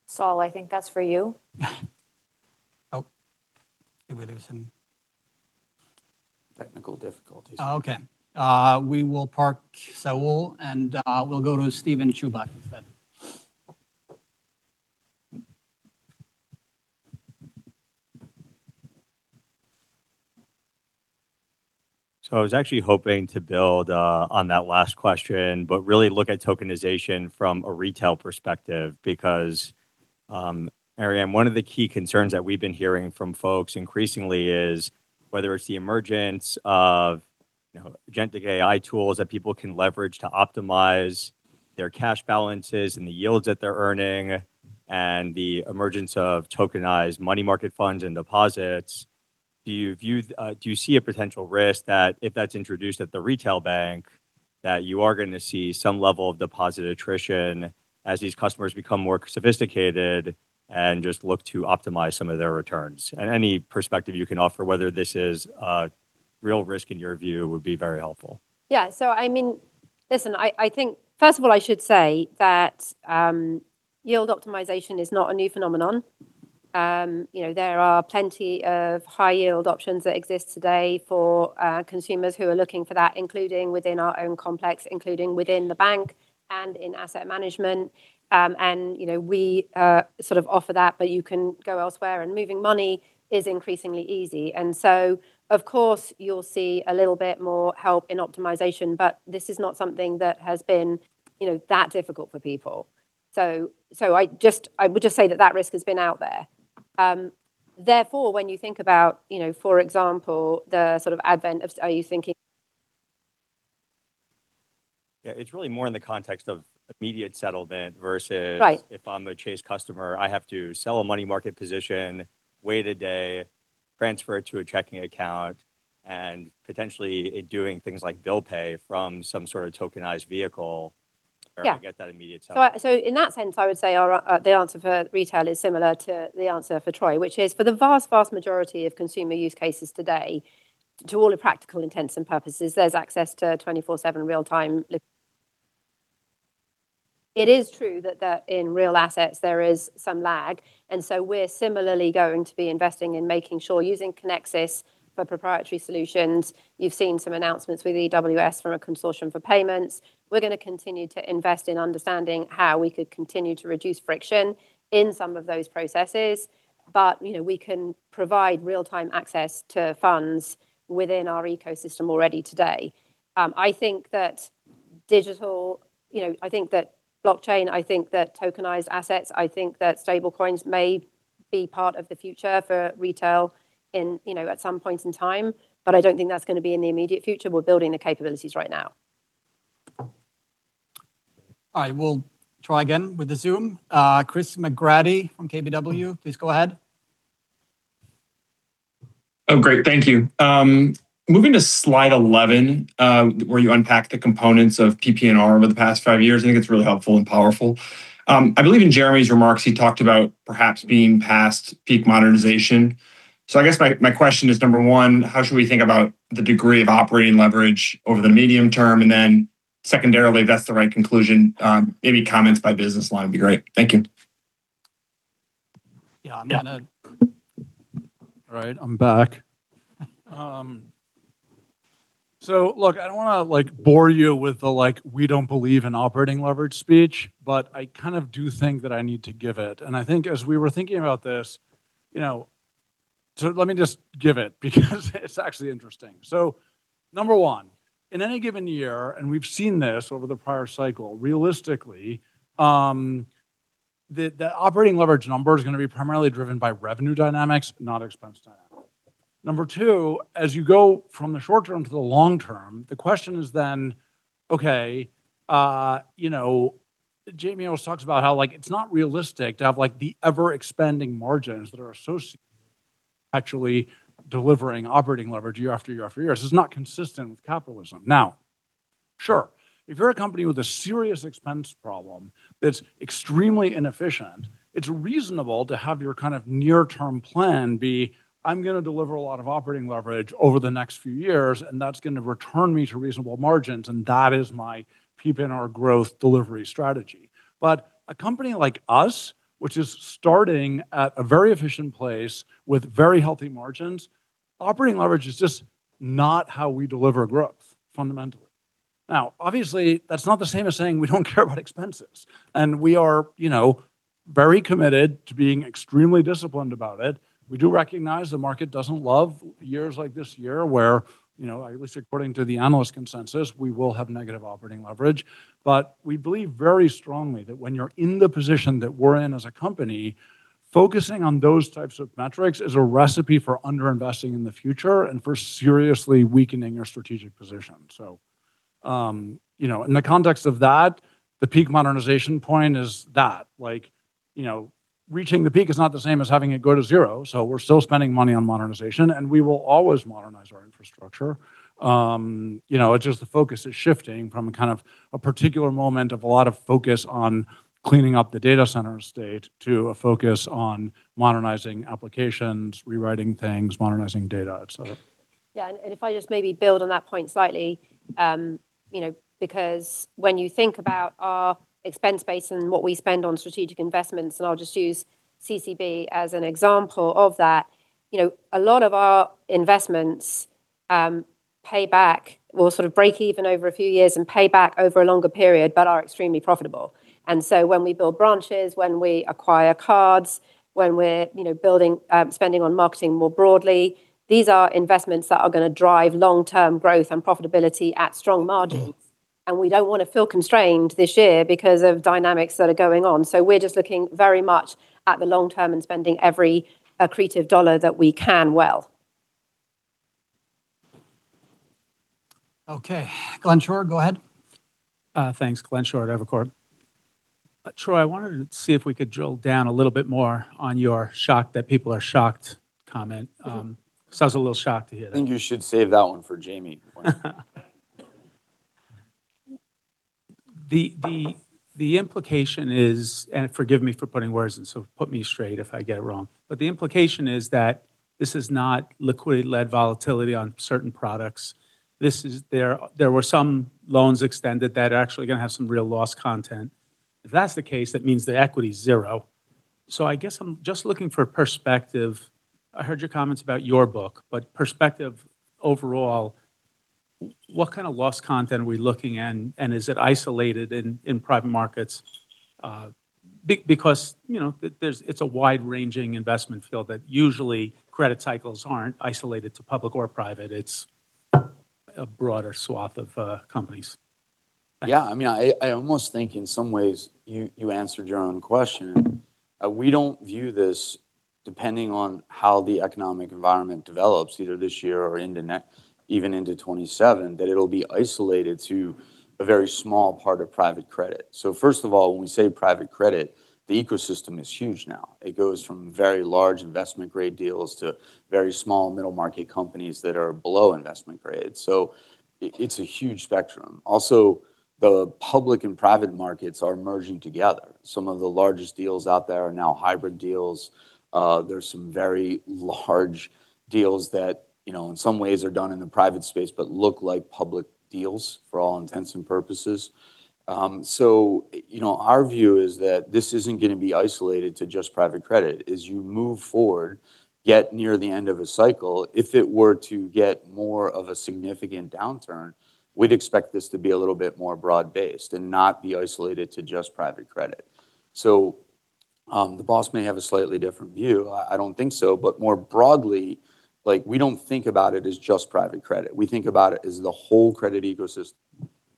Saul, I think that's for you. Oh, maybe there's some technical difficulties. Okay. We will park Saul, and, we'll go to Stephen Chubak instead. I was actually hoping to build on that last question, but really look at tokenization from a retail perspective, because, Marianne, one of the key concerns that we've been hearing from folks increasingly is whether it's the emergence of, you know, agentic AI tools that people can leverage to optimize their cash balances and the yields that they're earning, and the emergence of tokenized money market funds and deposits. Do you view, do you see a potential risk that if that's introduced at the retail bank, that you are going to see some level of deposit attrition as these customers become more sophisticated and just look to optimize some of their returns? Any perspective you can offer, whether this is a real risk in your view, would be very helpful. Yeah. I mean, listen, I, I think, first of all, I should say that, yield optimization is not a new phenomenon. You know, there are plenty of high yield options that exist today for consumers who are looking for that, including within our own complex, including within the bank and in asset management. You know, we sort of offer that, but you can go elsewhere, and moving money is increasingly easy. Of course, you'll see a little bit more help in optimization, but this is not something that has been, you know, that difficult for people. I just, I would just say that that risk has been out there. Therefore, when you think about, you know, for example, the sort of advent of-- are you thinking? Yeah, it's really more in the context of immediate settlement versus- Right. If I'm a Chase customer, I have to sell a money market position, wait a day. Transfer it to a checking account and potentially doing things like bill pay from some sort of tokenized vehicle- Yeah. Get that immediate time. So in that sense, I would say our, the answer for retail is similar to the answer for Troy, which is for the vast, vast majority of consumer use cases today, to all practical intents and purposes, there's access to 24/7 real-time. It is true that, that in real assets, there is some lag, and so we're similarly going to be investing in making sure, using Kinexys for proprietary solutions. You've seen some announcements with AWS from a consortium for payments. We're going to continue to invest in understanding how we could continue to reduce friction in some of those processes. You know, we can provide real-time access to funds within our ecosystem already today. I think that you know, I think that blockchain, I think that tokenized assets, I think that stable coins may be part of the future for retail in, you know, at some point in time, but I don't think that's going to be in the immediate future. We're building the capabilities right now. All right, we'll try again with the Zoom. Chris McGratty from KBW, please go ahead. Oh, great. Thank you. Moving to slide 11, where you unpack the components of PPNR over the past five years, I think it's really helpful and powerful. I believe in Jeremy's remarks, he talked about perhaps being past peak modernization. I guess my, my question is, number one, how should we think about the degree of operating leverage over the medium term? Then secondarily, if that's the right conclusion, maybe comments by business line would be great. Thank you. Yeah. All right, I'm back. Look, I don't want to, like, bore you with the, like, we don't believe in operating leverage speech, I kind of do think that I need to give it. I think as we were thinking about this, you know, so let me just give it because it's actually interesting. Number one, in any given year, and we've seen this over the prior cycle, realistically, the operating leverage number is going to be primarily driven by revenue dynamics, not expense dynamics. Number two, as you go from the short term to the long term, the question is then, okay, you know, Jamie always talks about how, like, it's not realistic to have, like, the ever-expanding margins that are associated actually delivering operating leverage year after year after year. It's not consistent with capitalism. Now, sure, if you're a company with a serious expense problem that's extremely inefficient, it's reasonable to have your kind of near-term plan be: I'm going to deliver a lot of operating leverage over the next few years, and that's going to return me to reasonable margins, and that is my PPNR growth delivery strategy. A company like us, which is starting at a very efficient place with very healthy margins, operating leverage is just not how we deliver growth fundamentally. Now, obviously, that's not the same as saying we don't care about expenses, and we are, you know, very committed to being extremely disciplined about it. We do recognize the market doesn't love years like this year, where, you know, at least according to the analyst consensus, we will have negative operating leverage. We believe very strongly that when you're in the position that we're in as a company, focusing on those types of metrics is a recipe for underinvesting in the future and for seriously weakening your strategic position. You know, in the context of that, the peak modernization point is that, like, you know, reaching the peak is not the same as having it go to zero. We're still spending money on modernization, and we will always modernize our infrastructure. You know, it's just the focus is shifting from kind of a particular moment of a lot of focus on cleaning up the data center state to a focus on modernizing applications, rewriting things, modernizing data, etcetera. Yeah, if I just maybe build on that point slightly, you know, because when you think about our expense base and what we spend on strategic investments, I'll just use CCB as an example of that, you know, a lot of our investments pay back, will sort of break even over a few years and pay back over a longer period, but are extremely profitable. When we build branches, when we acquire cards, when we're, you know, building, spending on marketing more broadly, these are investments that are going to drive long-term growth and profitability at strong margins. We don't want to feel constrained this year because of dynamics that are going on. We're just looking very much at the long term and spending every accretive dollar that we can well. Okay, Glenn Schorr, go ahead. Thanks, Glenn Schorr, Evercore. Troy, I wanted to see if we could drill down a little bit more on your shock that people are shocked comment. I was a little shocked to hear that. I think you should save that one for Jamie. The implication is, forgive me for putting words, put me straight if I get it wrong, the implication is that this is not liquidity-led volatility on certain products. There were some loans extended that are actually going to have some real loss content. If that's the case, that means the equity is zero. I guess I'm just looking for perspective. I heard your comments about your book, perspective overall, what kind of loss content are we looking in, is it isolated in private markets? Because, you know, there's, it's a wide-ranging investment field that usually credit cycles aren't isolated to public or private. It's a broader swath of companies. Yeah, I mean, I, I almost think in some ways, you, you answered your own question. We don't view this depending on how the economic environment develops, either this year or into next, even into 2027, that it'll be isolated to a very small part of private credit. First of all, when we say private credit, the ecosystem is huge now. It goes from very large investment-grade deals to very small middle-market companies that are below investment grade. It, it's a huge spectrum. Also, the public and private markets are merging together. Some of the largest deals out there are now hybrid deals. There's some very large deals that, you know, in some ways are done in the private space, but look like public deals for all intents and purposes. You know, our view is that this isn't going to be isolated to just private credit. As you move forward, get near the end of a cycle, if it were to get more of a significant downturn, we'd expect this to be a little bit more broad-based and not be isolated to just private credit. The boss may have a slightly different view. I, I don't think so, but more broadly, like, we don't think about it as just private credit. We think about it as the whole credit ecosystem.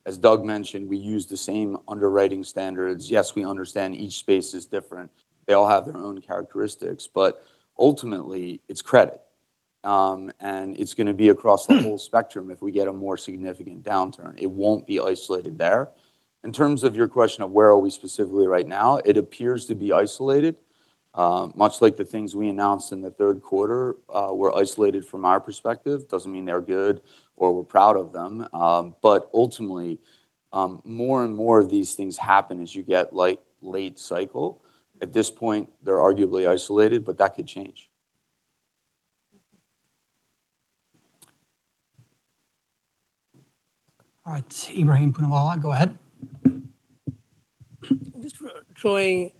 As Doug mentioned, we use the same underwriting standards. Yes, we understand each space is different. They all have their own characteristics, but ultimately, it's credit. It's going to be across the whole spectrum if we get a more significant downturn, it won't be isolated there. In terms of your question of where are we specifically right now, it appears to be isolated, much like the things we announced in the third quarter, were isolated from our perspective. Doesn't mean they're good or we're proud of them, but ultimately, more and more of these things happen as you get, like, late cycle. At this point, they're arguably isolated, but that could change. All right, Ebrahim Poonawala, go ahead. Just, Troy,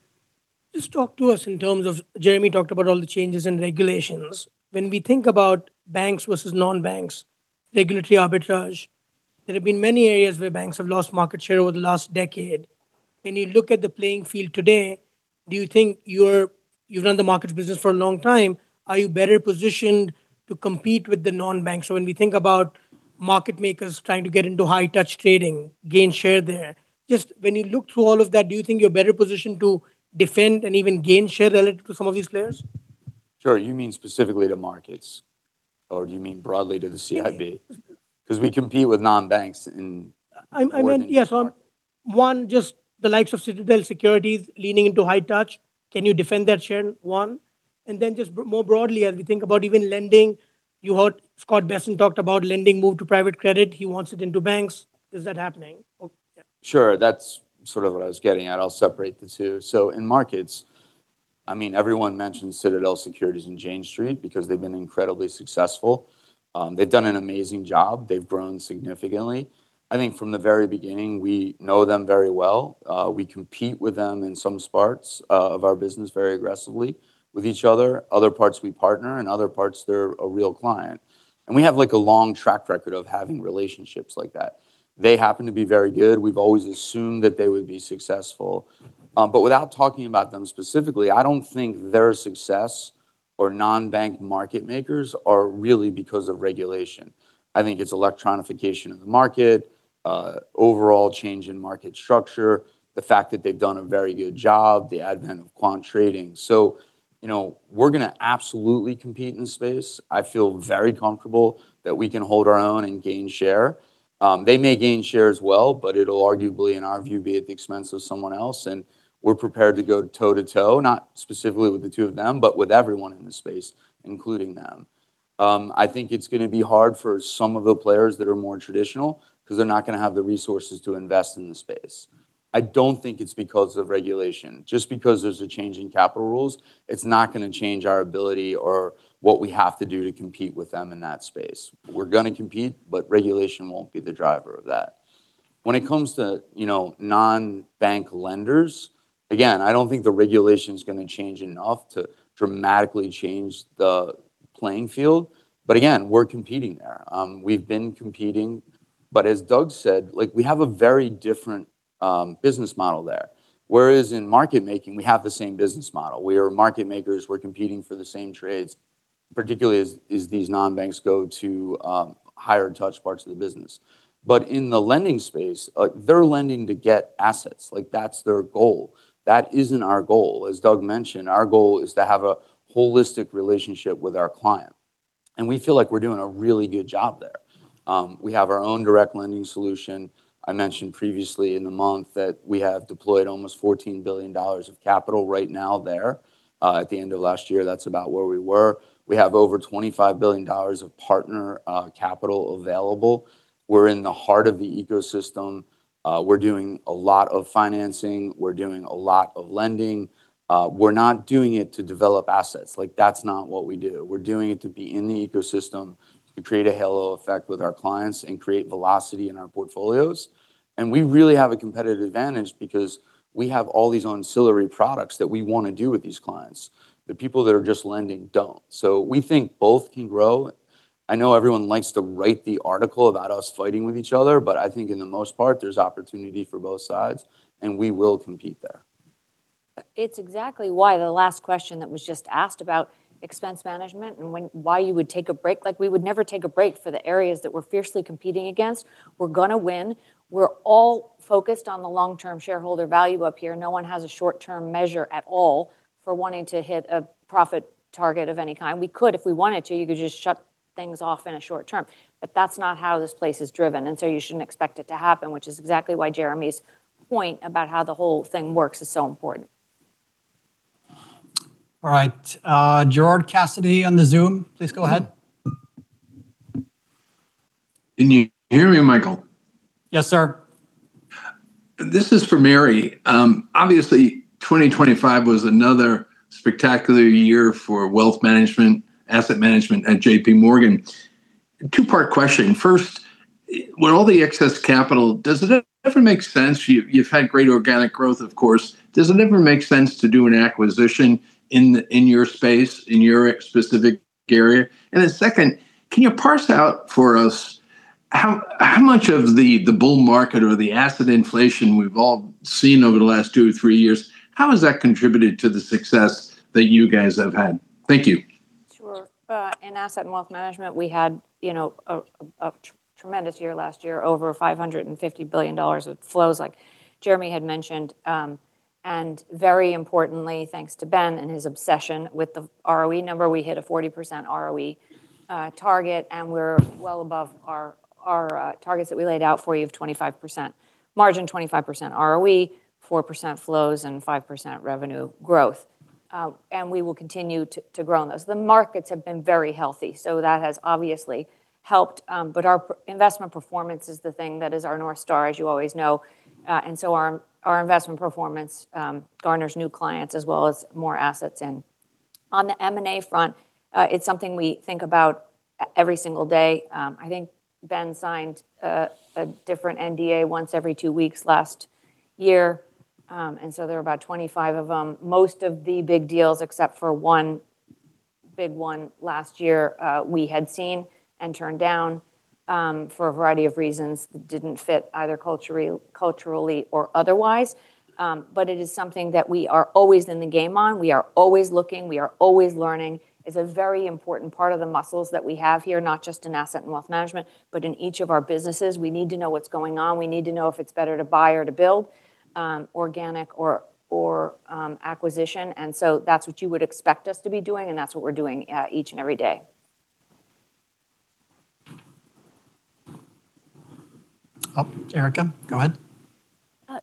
just talk to us in terms of, Jeremy talked about all the changes in regulations. When we think about banks versus non-banks, regulatory arbitrage, there have been many areas where banks have lost market share over the last decade. When you look at the playing field today, do you think you've run the markets business for a long time, are you better positioned to compete with the non-banks? When we think about market makers trying to get into high touch trading, gain share there, just when you look through all of that, do you think you're better positioned to defend and even gain share relative to some of these players? Sure. You mean specifically to markets, or do you mean broadly to the CIB? Because we compete with non-banks in. I, I mean, yes. one, just the likes of Citadel Securities leaning into high touch. Can you defend that share, one? Then just more broadly, as we think about even lending, you heard Scott Bessent talked about lending move to private credit. He wants it into banks. Is that happening? Or, yeah. Sure, that's sort of what I was getting at. I'll separate the two. In markets, I mean, everyone mentions Citadel Securities and Jane Street because they've been incredibly successful. They've done an amazing job. They've grown significantly. I think from the very beginning, we know them very well. We compete with them in some parts of our business, very aggressively with each other. Other parts, we partner, and other parts, they're a real client. We have, like, a long track record of having relationships like that. They happen to be very good. We've always assumed that they would be successful. Without talking about them specifically, I don't think their success or non-bank market makers are really because of regulation. I think it's electronification of the market, overall change in market structure, the fact that they've done a very good job, the advent of quant trading. You know, we're going to absolutely compete in space. I feel very comfortable that we can hold our own and gain share. They may gain share as well, but it'll arguably, in our view, be at the expense of someone else, and we're prepared to go toe to toe, not specifically with the two of them, but with everyone in the space, including them. I think it's going to be hard for some of the players that are more traditional because they're not going to have the resources to invest in the space. I don't think it's because of regulation. Just because there's a change in capital rules, it's not going to change our ability or what we have to do to compete with them in that space. We're going to compete, but regulation won't be the driver of that. When it comes to, you know, non-bank lenders, again, I don't think the regulation is going to change enough to dramatically change the playing field, but again, we're competing there. We've been competing, but as Doug said, like, we have a very different business model there. Whereas in market making, we have the same business model. We are market makers, we're competing for the same trades, particularly as, as these non-banks go to higher touch parts of the business. In the lending space, they're lending to get assets. Like, that's their goal. That isn't our goal. As Doug mentioned, our goal is to have a holistic relationship with our client, and we feel like we're doing a really good job there. We have our own direct lending solution. I mentioned previously in the month that we have deployed almost $14 billion of capital right now there. At the end of last year, that's about where we were. We have over $25 billion of partner capital available. We're in the heart of the ecosystem. We're doing a lot of financing. We're doing a lot of lending. We're not doing it to develop assets. Like, that's not what we do. We're doing it to be in the ecosystem, to create a halo effect with our clients, and create velocity in our portfolios. We really have a competitive advantage because we have all these ancillary products that we want to do with these clients. The people that are just lending don't. We think both can grow. I know everyone likes to write the article about us fighting with each other, but I think in the most part, there's opportunity for both sides, and we will compete there. It's exactly why the last question that was just asked about expense management and when, why you would take a break, like we would never take a break for the areas that we're fiercely competing against. We're gonna win. We're all focused on the long-term shareholder value up here. No one has a short-term measure at all for wanting to hit a profit target of any kind. We could, if we wanted to, you could just shut things off in a short term, but that's not how this place is driven, and so you shouldn't expect it to happen, which is exactly why Jeremy's point about how the whole thing works is so important. All right, Gerard Cassidy on the Zoom, please go ahead. Can you hear me, Mikael? Yes, sir. This is for Mary. Obviously, 2025 was another spectacular year for wealth management, asset management at JPMorgan. two-part question. First, with all the excess capital, does it ever make sense you, you've had great organic growth, of course. Does it ever make sense to do an acquisition in, in your space, in your specific area? Second, can you parse out for us how, how much of the, the bull market or the asset inflation we've all seen over the last two or three years, how has that contributed to the success that you guys have had? Thank you. Sure. In Asset & Wealth Management, we had, you know, a tremendous year last year, over $550 billion of flows, like Jeremy had mentioned. Very importantly, thanks to Ben and his obsession with the ROE number, we hit a 40% ROE target, and we're well above our targets that we laid out for you of 25% margin, 25% ROE, 4% flows, and 5% revenue growth. We will continue to grow on those. The markets have been very healthy, so that has obviously helped, but our investment performance is the thing that is our North Star, as you always know, and so our investment performance garners new clients as well as more assets in. On the M&A front, it's something we think about every single day. I think Ben signed a different NDA once every two weeks last year, so there are about 25 of them. Most of the big deals, except for one big one last year, we had seen and turned down for a variety of reasons, didn't fit either culturally, culturally or otherwise. It is something that we are always in the game on. We are always looking, we are always learning. It's a very important part of the muscles that we have here, not just in Asset & Wealth Management, but in each of our businesses. We need to know what's going on. We need to know if it's better to buy or to build, organic or, or, acquisition. So that's what you would expect us to be doing, and that's what we're doing each and every day. Oh, Erika, go ahead.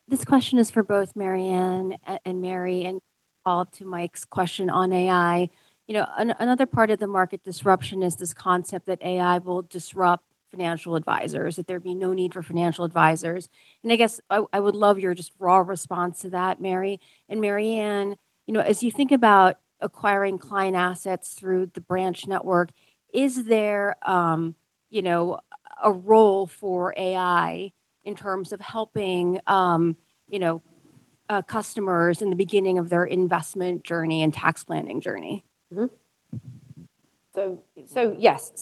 This question is for both Marianne and Mary, and follow-up to Mike's question on AI. You know, another part of the market disruption is this concept that AI will disrupt financial advisors, that there'd be no need for financial advisors. I guess I, I would love your just raw response to that, Mary. Marianne, you know, as you think about acquiring client assets through the branch network, is there, you know, a role for AI in terms of helping, you know, customers in the beginning of their investment journey and tax planning journey? Yes.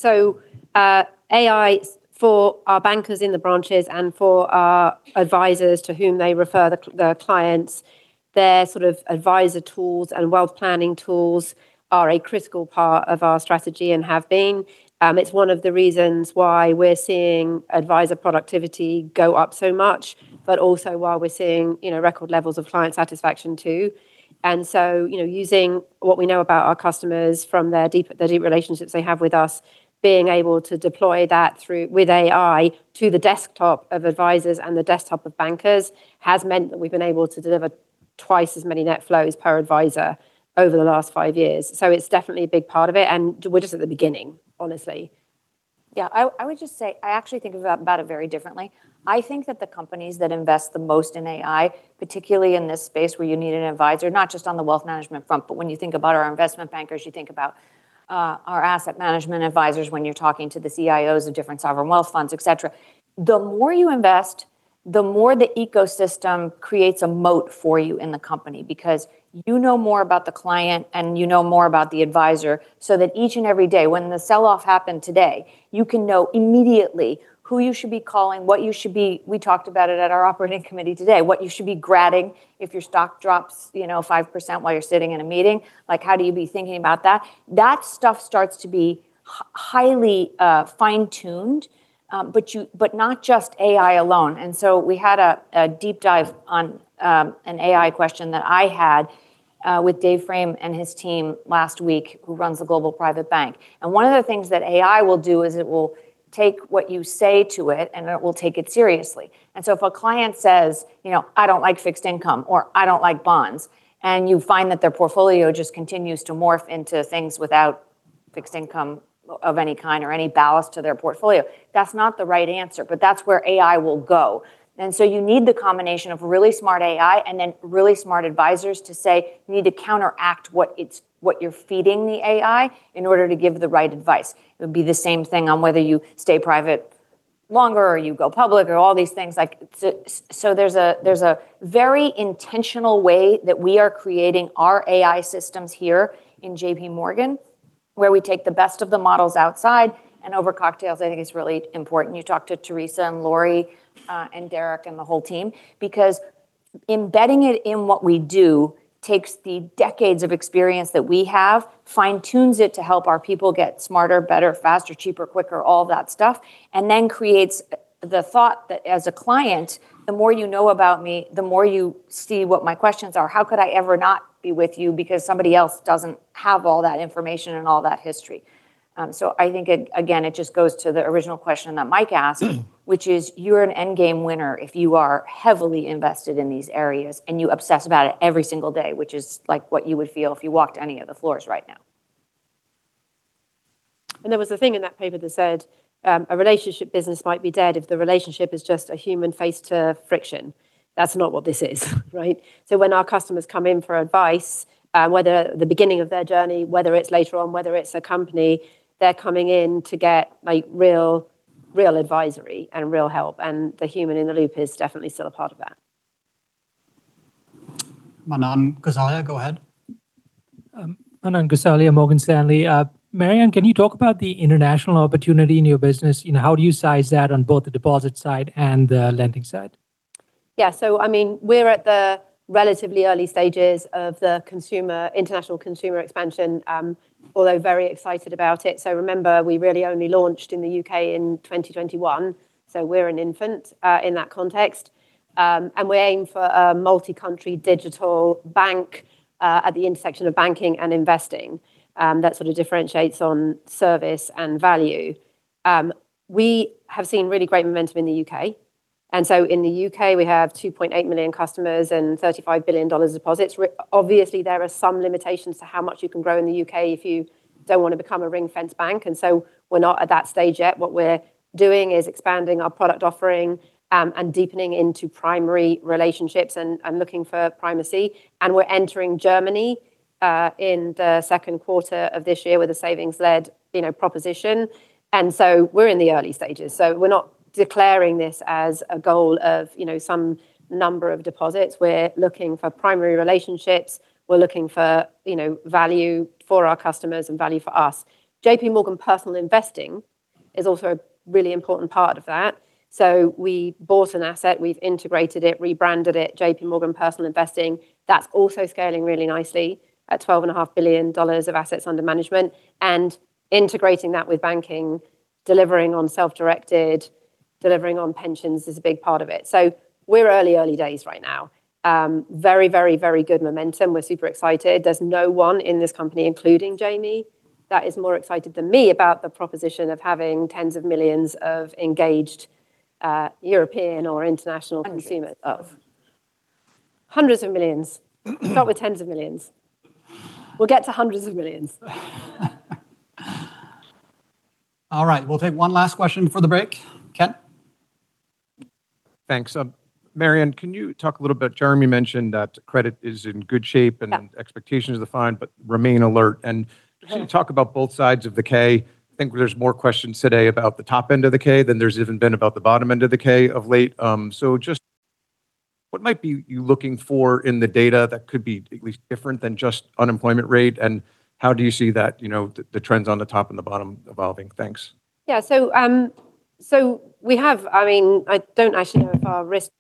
AI for our bankers in the branches and for our advisors to whom they refer the clients, their sort of advisor tools and wealth planning tools are a critical part of our strategy and have been. It's one of the reasons why we're seeing advisor productivity go up so much, but also while we're seeing, you know, record levels of client satisfaction, too. Using what we know about our customers from their deep, the deep relationships they have with us, being able to deploy that through with AI to the desktop of advisors and the desktop of bankers, has meant that we've been able to deliver twice as many net flows per advisor over the last five years. It's definitely a big part of it, and we're just at the beginning, honestly. Yeah, I, I would just say, I actually think about, about it very differently. I think that the companies that invest the most in AI, particularly in this space where you need an advisor, not just on the wealth management front, but when you think about our investment bankers, you think about our asset management advisors, when you're talking to the CIOs of different sovereign wealth funds, etc. The more you invest, the more the ecosystem creates a moat for you in the company, because you know more about the client and you know more about the advisor, so that each and every day, when the sell-off happened today, you can know immediately who you should be calling, what you should be. We talked about it at our operating committee today, what you should be grading if your stock drops, you know, 5% while you're sitting in a meeting, like, how do you be thinking about that? That stuff starts to be highly fine-tuned, but you but not just AI alone. We had a deep dive on an AI question that I had with Dave Frame and his team last week, who runs the global private bank. One of the things that AI will do is it will take what you say to it, and it will take it seriously. If a client says, "You know, I don't like fixed income," or, "I don't like bonds," and you find that their portfolio just continues to morph into things without fixed income of any kind or any ballast to their portfolio, that's not the right answer, but that's where AI will go. You need the combination of really smart AI and then really smart advisors to say, you need to counteract what it's, what you're feeding the AI in order to give the right advice. It would be the same thing on whether you stay private longer or you go public or all these things like. There's a very intentional way that we are creating our AI systems here in JPMorgan Chase, where we take the best of the models outside, and over cocktails, I think is really important. You talk to Teresa and Lori, and Derek, and the whole team, because embedding it in what we do takes the decades of experience that we have, fine-tunes it to help our people get smarter, better, faster, cheaper, quicker, all that stuff, and then creates the thought that as a client, the more you know about me, the more you see what my questions are. How could I ever not be with you because somebody else doesn't have all that information and all that history? I think it, again, it just goes to the original question that Mike asked, which is, you're an endgame winner if you are heavily invested in these areas, and you obsess about it every single day, which is like what you would feel if you walked any of the floors right now. There was a thing in that paper that said, "A relationship business might be dead if the relationship is just a human face to friction." That's not what this is, right? When our customers come in for advice, whether at the beginning of their journey, whether it's later on, whether it's a company, they're coming in to get, real, real advisory and real help, and the human in the loop is definitely still a part of that. Manan Gosalia, go ahead. Manan Gosalia, Morgan Stanley. Marianne, can you talk about the international opportunity in your business? You know, how do you size that on both the deposit side and the lending side? Yeah. I mean, we're at the relatively early stages of the consumer, international consumer expansion, although very excited about it. Remember, we really only launched in the U.K. in 2021, so we're an infant in that context. We're aiming for a multi-country digital bank at the intersection of banking and investing that sort of differentiates on service and value. We have seen really great momentum in the U.K., and so in the U.K., we have 2.8 million customers and $35 billion deposits. Obviously, there are some limitations to how much you can grow in the U.K. if you don't want to become a ring-fence bank, and so we're not at that stage yet. What we're doing is expanding our product offering, deepening into primary relationships and looking for primacy. We're entering Germany in the second quarter of this year with a savings-led, you know, proposition. We're in the early stages, so we're not declaring this as a goal of, you know, some number of deposits. We're looking for primary relationships. We're looking for, you know, value for our customers and value for us. JPMorgan Personal Investing is also a really important part of that. We bought an asset, we've integrated it, rebranded it, JPMorgan Personal Investing. That's also scaling really nicely at $12.5 billion of assets under management and integrating that with banking, delivering on self-directed, delivering on pensions is a big part of it. We're early, early days right now. Very, very, very good momentum. We're super excited. There's no one in this company, including Jamie, that is more excited than me about the proposition of having tens of millions of engaged, European or international consumers. Hundreds millions. Start with tens of millions. We'll get to hundreds of millions. All right, we'll take one last question before the break. Ken? Thanks. Marianne, can you talk a little bit, Jeremy mentioned that credit is in good shape? Yeah. Expectations are fine, but remain alert. Right. Just talk about both sides of the K. I think there's more questions today about the top end of the K than there's even been about the bottom end of the K of late. Just what might be you looking for in the data that could be different than just unemployment rate, and how do you see that, you know, the trends on the top and the bottom evolving? Thanks. Yeah. I mean, I don't actually know if our risk.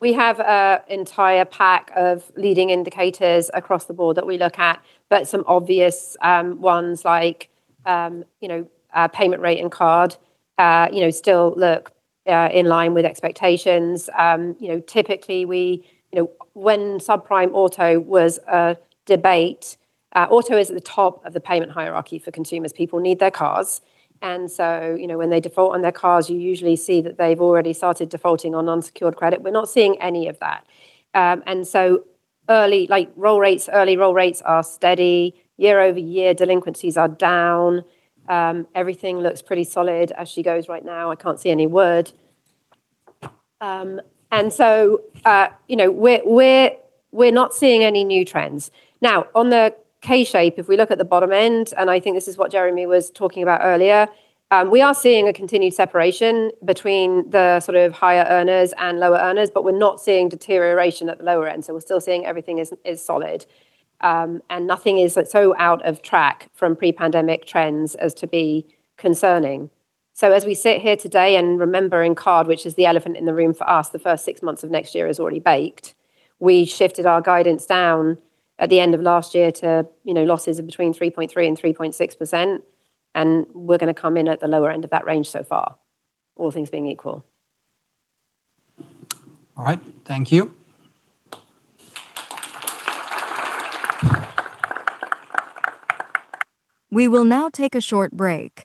We have an entire pack of leading indicators across the board that we look at, but some obvious ones like, you know, payment rate and card, you know, still look in line with expectations. You know, typically, we, you know, when subprime auto was a debate, auto is at the top of the payment hierarchy for consumers. People need their cars, and so, you know, when they default on their cars, you usually see that they've already started defaulting on unsecured credit. We're not seeing any of that. And so early, like, roll rates, early roll rates are steady. Year-over-year, delinquencies are down. Everything looks pretty solid as she goes right now. I can't see any word. You know, we're, we're, we're not seeing any new trends. On the K-shape, if we look at the bottom end, and I think this is what Jeremy was talking about earlier, we are seeing a continued separation between the sort of higher earners and lower earners, but we're not seeing deterioration at the lower end. We're still seeing everything is, is solid, and nothing is so out of track from pre-pandemic trends as to be concerning. As we sit here today and remember in card, which is the elephant in the room for us, the first six months of next year is already baked. We shifted our guidance down at the end of last year to, you know, losses of between 3.3% and 3.6%, and we're going to come in at the lower end of that range so far, all things being equal. All right. Thank you. We will now take a short break.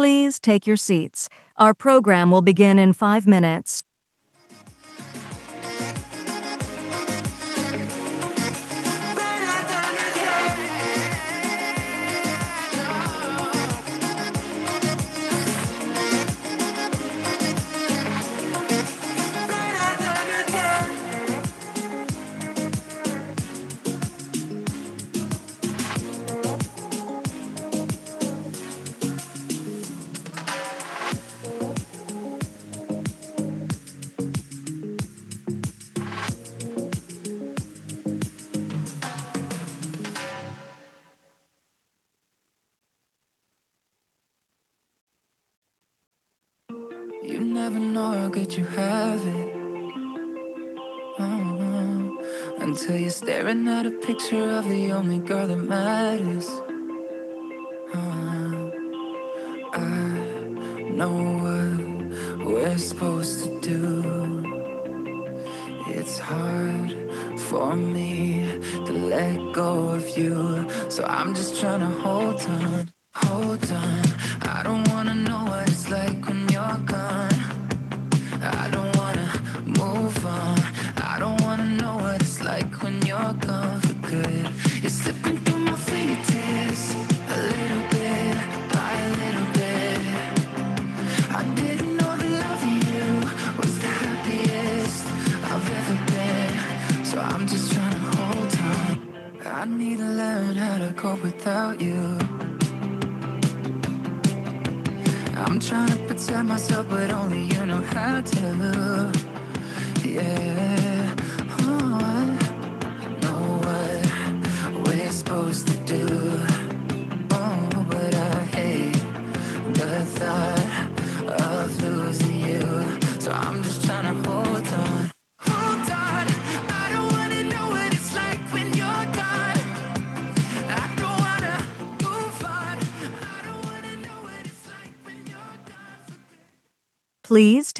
Please take your seats. Our program will begin in five minutes. Please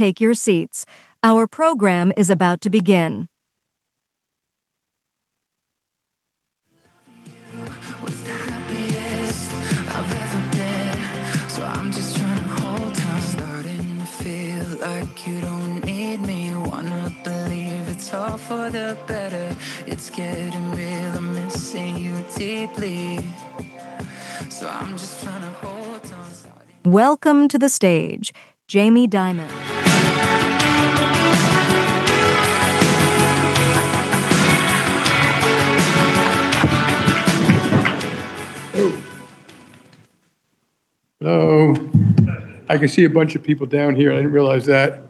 take your seats. Our program is about to begin Welcome to the stage, Jamie Dimon. Hello. I can see a bunch of people down here, I didn't realize that.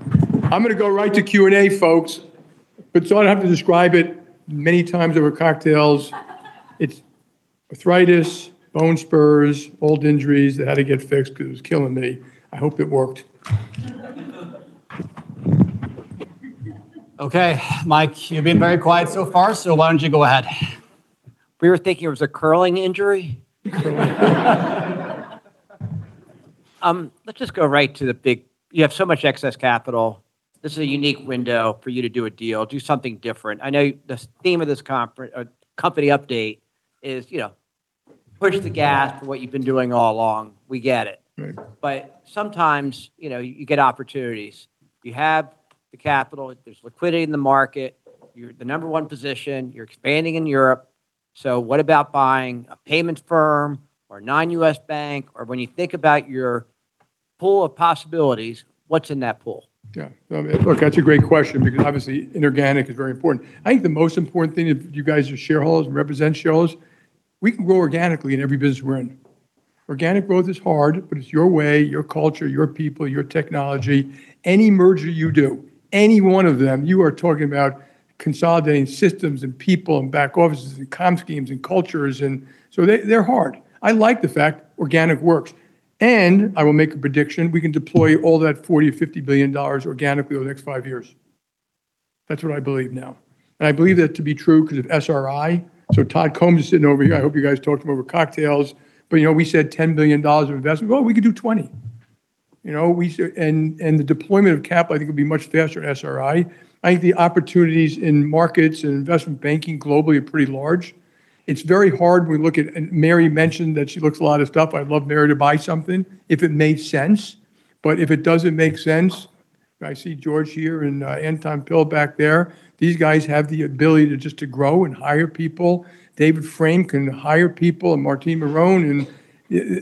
I'm gonna go right to Q&A, folks. I don't have to describe it many times over cocktails. It's arthritis, bone spurs, old injuries that had to get fixed because it was killing me. I hope it worked. Okay, Mike, you've been very quiet so far, so why don't you go ahead? We were thinking it was a curling injury. Let's just go right to the big. You have so much excess capital. This is a unique window for you to do a deal, do something different. I know the theme of this conference, or company update is, you know, push the gas for what you've been doing all along. We get it. Right. Sometimes, you know, you get opportunities. You have the capital, there's liquidity in the market, you're the number one position, you're expanding in Europe. What about buying a payment firm or a non-U.S. bank, or when you think about your pool of possibilities, what's in that pool? Yeah. Look, that's a great question because obviously inorganic is very important. I think the most important thing, if you guys are shareholders and represent shareholders, we can grow organically in every business we're in. Organic growth is hard, but it's your way, your culture, your people, your technology. Any merger you do, any one of them, you are talking about consolidating systems and people and back offices and comp schemes and cultures, they, they're hard. I like the fact organic works, I will make a prediction: We can deploy all that $40 billion-$50 billion organically over the next five years. That's what I believe now, I believe that to be true because of SRI. Todd Combs is sitting over here. I hope you guys talked him over cocktails. You know, we said $10 billion of investment. Well, we could do $20 billion. You know, we should, and the deployment of capital I think, would be much faster at SRI. I think the opportunities in markets and investment banking globally are pretty large. It's very hard when we look at. Mary Callahan Erdoes mentioned that she looks at a lot of stuff. I'd love Mary Callahan Erdoes to buy something if it made sense, but if it doesn't make sense, I see George here and Anton Pil back there. These guys have the ability just to grow and hire people. David Frame can hire people, and Martin Marron,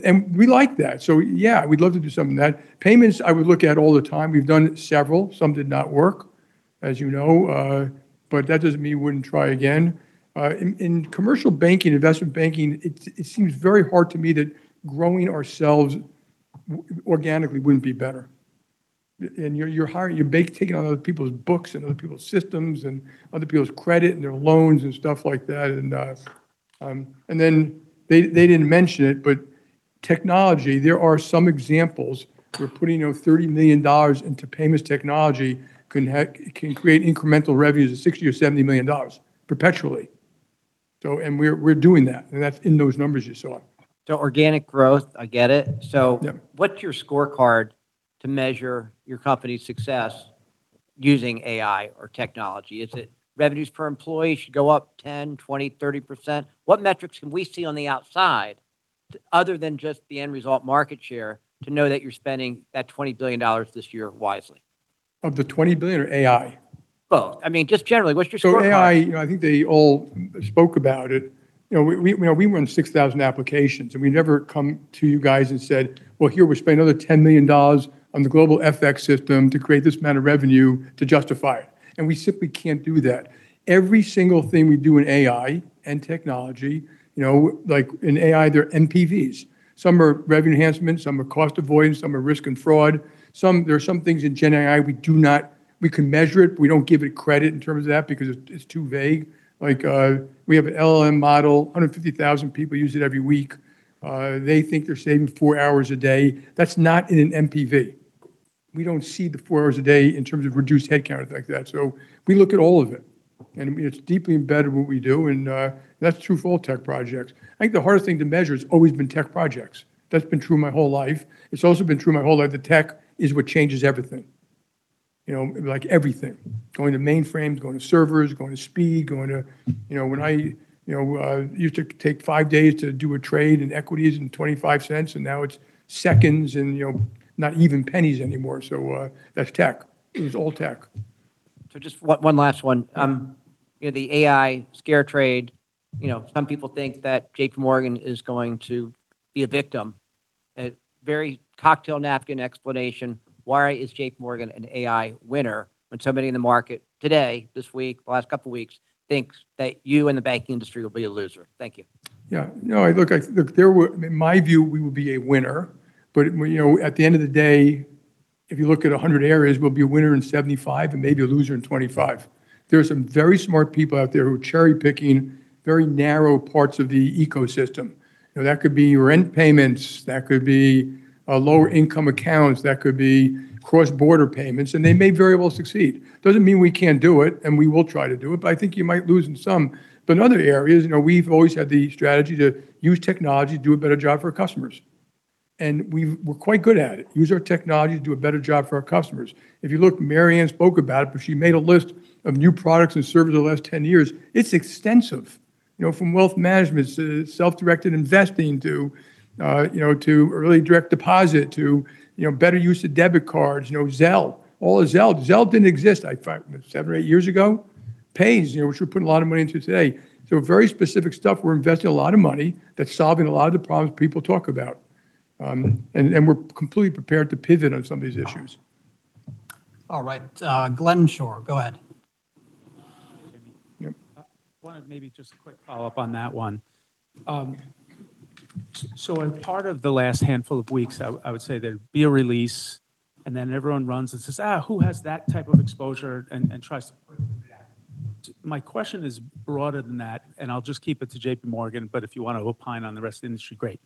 and we like that. Yeah, we'd love to do something with that. Payments, I would look at all the time. We've done several. Some did not work, as you know, but that doesn't mean we wouldn't try again. In, in commercial banking, investment banking, it, it seems very hard to me that growing ourselves organically wouldn't be better. You're, you're hiring, you're taking on other people's books and other people's systems, and other people's credit, and their loans, and stuff like that, and then they, they didn't mention it, but technology, there are some examples where putting in $30 million into payments technology can have, can create incremental revenues of $60 million-$70 million perpetually. And we're, we're doing that, and that's in those numbers you saw. Organic growth, I get it. Yeah. What's your scorecard to measure your company's success? Using AI or technology? Is it revenues per employee should go up 10%, 20%, 30%? What metrics can we see on the outside, other than just the end result market share, to know that you're spending that $20 billion this year wisely? Of the $20 billion or AI? Both. I mean, just generally, what's your scorecard? AI, you know, I think they all spoke about it. You know, we run 6,000 applications, we never come to you guys and said: "Well, here, we spend another $10 million on the global FX system to create this amount of revenue to justify it." We simply can't do that. Every single thing we do in AI and technology, you know, like in AI, they're NPVs. Some are revenue enhancements, some are cost avoidance, some are risk and fraud. Some, there are some things in Gen AI, we can measure it, we don't give it credit in terms of that because it's, it's too vague. Like, we have an LLM model, 150,000 people use it every week. They think they're saving four hours a day. That's not in an NPV. We don't see the four hours a day in terms of reduced headcount like that. We look at all of it, and it's deeply embedded in what we do, and that's true for all tech projects. I think the hardest thing to measure has always been tech projects. That's been true my whole life. It's also been true my whole life, that tech is what changes everything. You know, like everything. Going to mainframes, going to servers, going to speed. You know, when I, you know, used to take five days to do a trade in equities and $0.25, and now it's seconds and, you know, not even pennies anymore. That's tech. It's all tech. Just one, one last one. You know, the AI scare trade, you know, some people think that JPMorgan is going to be a victim. A very cocktail napkin explanation, why is JPMorgan an AI winner, when somebody in the market today, this week, last couple of weeks, thinks that you and the banking industry will be a loser? Thank you. Yeah. No, look, I, look. In my view, we will be a winner, but, you know, at the end of the day, if you look at 100 areas, we'll be a winner in 75 and maybe a loser in 25. There are some very smart people out there who are cherry-picking very narrow parts of the ecosystem. You know, that could be rent payments, that could be, lower-income accounts, that could be cross-border payments, and they may very well succeed. Doesn't mean we can't do it, and we will try to do it, but I think you might lose in some. In other areas, you know, we've always had the strategy to use technology to do a better job for our customers, and we're quite good at it. Use our technology to do a better job for our customers. If you look, Mary Ann spoke about it, but she made a list of new products and services over the last 10 years. It's extensive. You know, from wealth management to self-directed investing, to, you know, to early direct deposit, to, you know, better use of debit cards, you know, Zelle, all of Zelle. Zelle didn't exist, I find, seven or eight years ago. Pays, you know, which we're putting a lot of money into today. Very specific stuff, we're investing a lot of money that's solving a lot of the problems people talk about. And, and we're completely prepared to pivot on some of these issues. All right, Glenn Schorr, go ahead. Yep, wanted maybe just a quick follow-up on that one. In part of the last handful of weeks, I, I would say there'd be a release, and then everyone runs and says: "Ah, who has that type of exposure and, and trust?" My question is broader than that, and I'll just keep it to JPMorgan, but if you want to opine on the rest of the industry, great.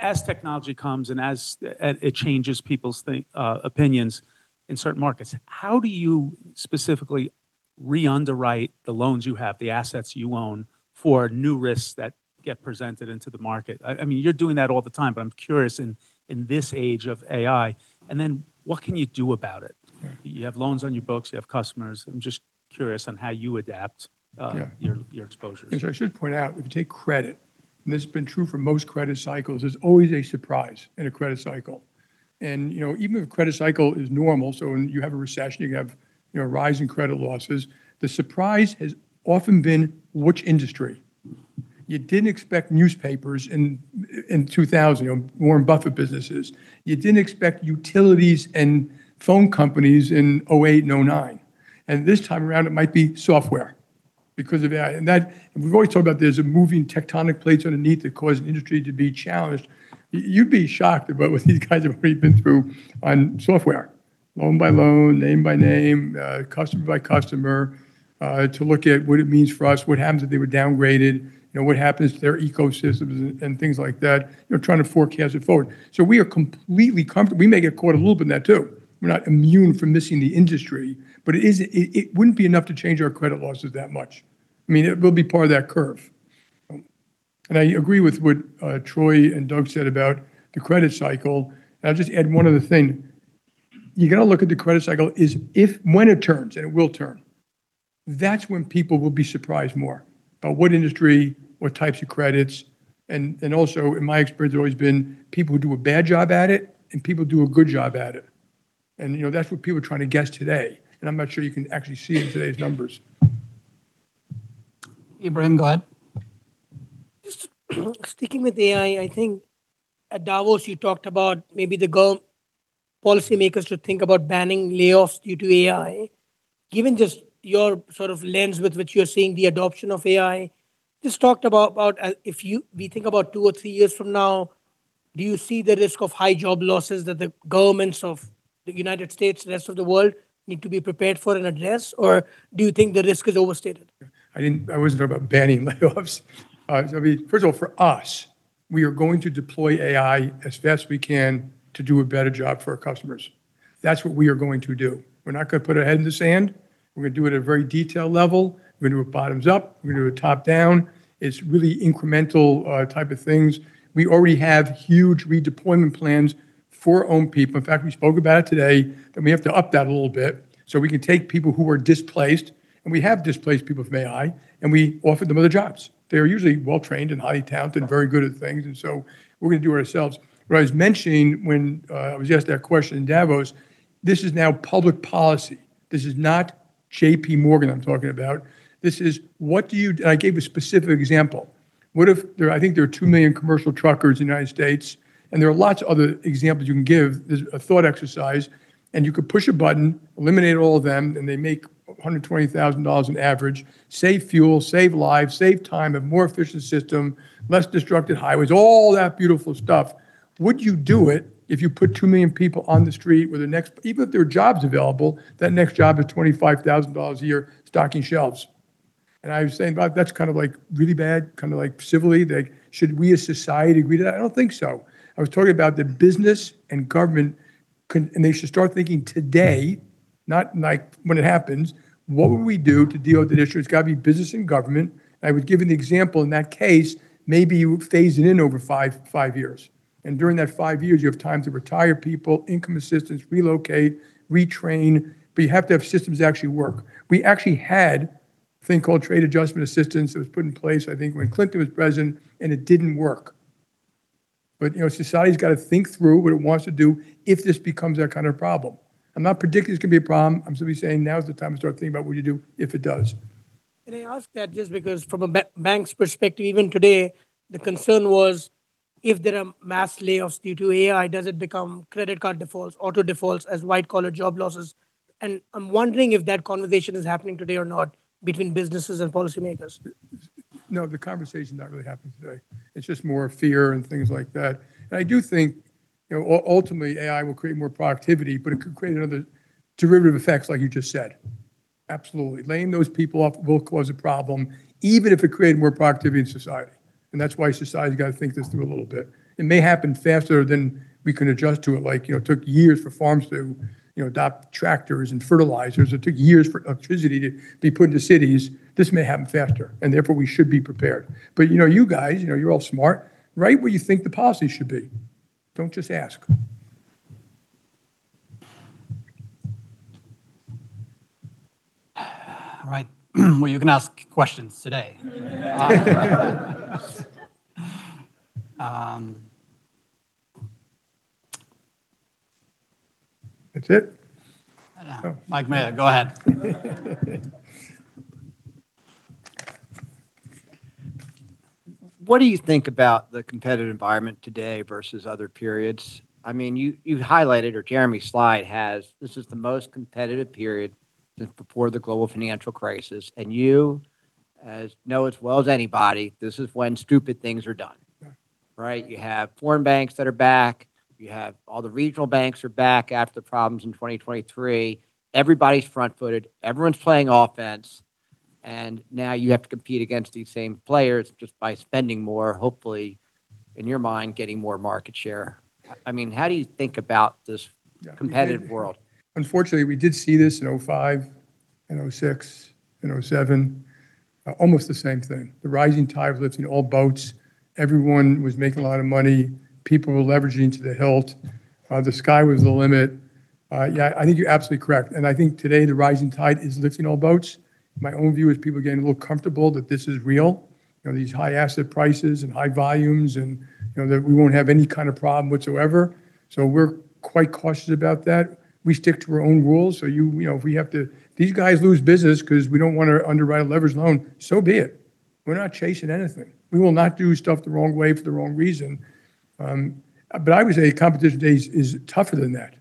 As technology comes and as it changes people's think opinions in certain markets, how do you specifically re-underwrite the loans you have, the assets you own, for new risks that get presented into the market? I, I mean, you're doing that all the time, but I'm curious in, in this age of AI. Then what can you do about it? You have loans on your books, you have customers. I'm just curious on how you adapt your, your exposures. So I should point out, if you take credit, and this has been true for most credit cycles, there's always a surprise in a credit cycle. And, you know, even if a credit cycle is normal, so when you have a recession, you have, you know, a rise in credit losses, the surprise has often been which industry. You didn't expect newspapers in, in 2000, Warren Buffett businesses. You didn't expect utilities and phone companies in 2008 and 2009. This time around, it might be software because of AI. That, we've always talked about there's a moving tectonic plates underneath that cause an industry to be challenged. You'd be shocked about what these guys have already been through on software. Loan by loan, name by name, customer by customer, to look at what it means for us, what happens if they were downgraded, and what happens to their ecosystems and things like that. They're trying to forecast it forward. We are completely comfortable. We may get caught a little bit in that, too. We're not immune from missing the industry, but it isn't, it wouldn't be enough to change our credit losses that much. I mean, it will be part of that curve. I agree with what Troy and Doug said about the credit cycle. I'll just add one other thing. You got to look at the credit cycle is if when it turns, and it will turn, that's when people will be surprised more. About what industry, what types of credits, and also, in my experience, it's always been people who do a bad job at it and people do a good job at it. You know, that's what people are trying to guess today, and I'm not sure you can actually see it in today's numbers. Ebrahim, go ahead. Sticking with AI, I think at Davos, you talked about maybe the gov, policymakers to think about banning layoffs due to AI. Given just your sort of lens with which you're seeing the adoption of AI, just talked about, about, if you, we think about two or three years from now, do you see the risk of high job losses that the governments of the United States and the rest of the world need to be prepared for and address, or do you think the risk is overstated? I didn't, I wasn't about banning layoffs. First of all, for us, we are going to deploy AI as best we can to do a better job for our customers. That's what we are going to do. We're not gonna put our head in the sand. We're gonna do it at a very detailed level. We're gonna do it bottoms up, we're gonna do it top down. It's really incremental type of things. We already have huge redeployment plans for own people. In fact, we spoke about it today, and we have to up that a little bit, so we can take people who are displaced, and we have displaced people from AI, and we offered them other jobs. They are usually well-trained and highly talented, very good at things, and so we're gonna do it ourselves. What I was mentioning when I was asked that question in Davos, this is now public policy. This is not JPMorgan I'm talking about. This is what and I gave a specific example. What if, I think there are 2 million commercial truckers in the United States, and there are lots of other examples you can give. There's a thought exercise, and you could push a button, eliminate all of them, and they make $120,000 on average. Save fuel, save lives, save time, a more efficient system, less disrupted highways, all that beautiful stuff. Would you do it if you put 2 million people on the street where even if there are jobs available, that next job is $25,000 a year, stocking shelves. I was saying, "That's kind of really bad, kind of civilly, should we as society agree to that?" I don't think so. I was talking about the business and government, and they should start thinking today, not when it happens, what would we do to deal with the issue? It's got to be business and government. I would give you an example in that case, maybe you phase it in over five, five years. During that five years, you have time to retire people, income assistance, relocate, retrain, but you have to have systems that actually work. We actually had a thing called Trade Adjustment Assistance that was put in place, I think, when Clinton was president, and it didn't work. You know, society's got to think through what it wants to do if this becomes that kind of problem. I'm not predicting it's gonna be a problem. I'm simply saying now is the time to start thinking about what you do if it does. I ask that just because from a bank's perspective, even today, the concern was if there are mass layoffs due to AI, does it become credit card defaults, auto defaults as white-collar job losses? I'm wondering if that conversation is happening today or not between businesses and policymakers. No, the conversation not really happens today. It's just more fear and things like that. I do think, you know, ultimately, AI will create more productivity, but it could create another derivative effects, like you just said. Absolutely. Laying those people off will cause a problem, even if it created more productivity in society. That's why society has got to think this through a little bit. It may happen faster than we can adjust to it. Like, you know, it took years for farms to, you know, adopt tractors and fertilizers. It took years for electricity to be put into cities. This may happen faster. Therefore, we should be prepared. You know, you guys, you know, you're all smart, write what you think the policy should be. Don't just ask. All right, well, you can ask questions today. That's it? Mike Mayo, go ahead. What do you think about the competitive environment today versus other periods? I mean, you, you highlighted, or Jeremy's slide has, this is the most competitive period since before the Global Financial Crisis, and you know as well as anybody, this is when stupid things are done. Yeah. Right? You have foreign banks that are back, you have all the regional banks are back after the problems in 2023. Everybody's front-footed, everyone's playing offense, and now you have to compete against these same players just by spending more, hopefully, in your mind, getting more market share. I mean, how do you think about this- Yeah competitive world? Unfortunately, we did see this in 2005, in 2006, in 2007. Almost the same thing. The rising tide lifts in all boats. Everyone was making a lot of money. People were leveraging to the hilt. The sky was the limit. Yeah, I think you're absolutely correct. I think today, the rising tide is lifting all boats. My own view is people are getting a little comfortable that this is real, you know, these high asset prices and high volumes, and, you know, that we won't have any kind of problem whatsoever. We're quite cautious about that. We stick to our own rules. You, you know, if we have to-- these guys lose business 'cause we don't want to underwrite a leverage loan, so be it. We're not chasing anything. We will not do stuff the wrong way for the wrong reason. I would say competition today is, is tougher than that.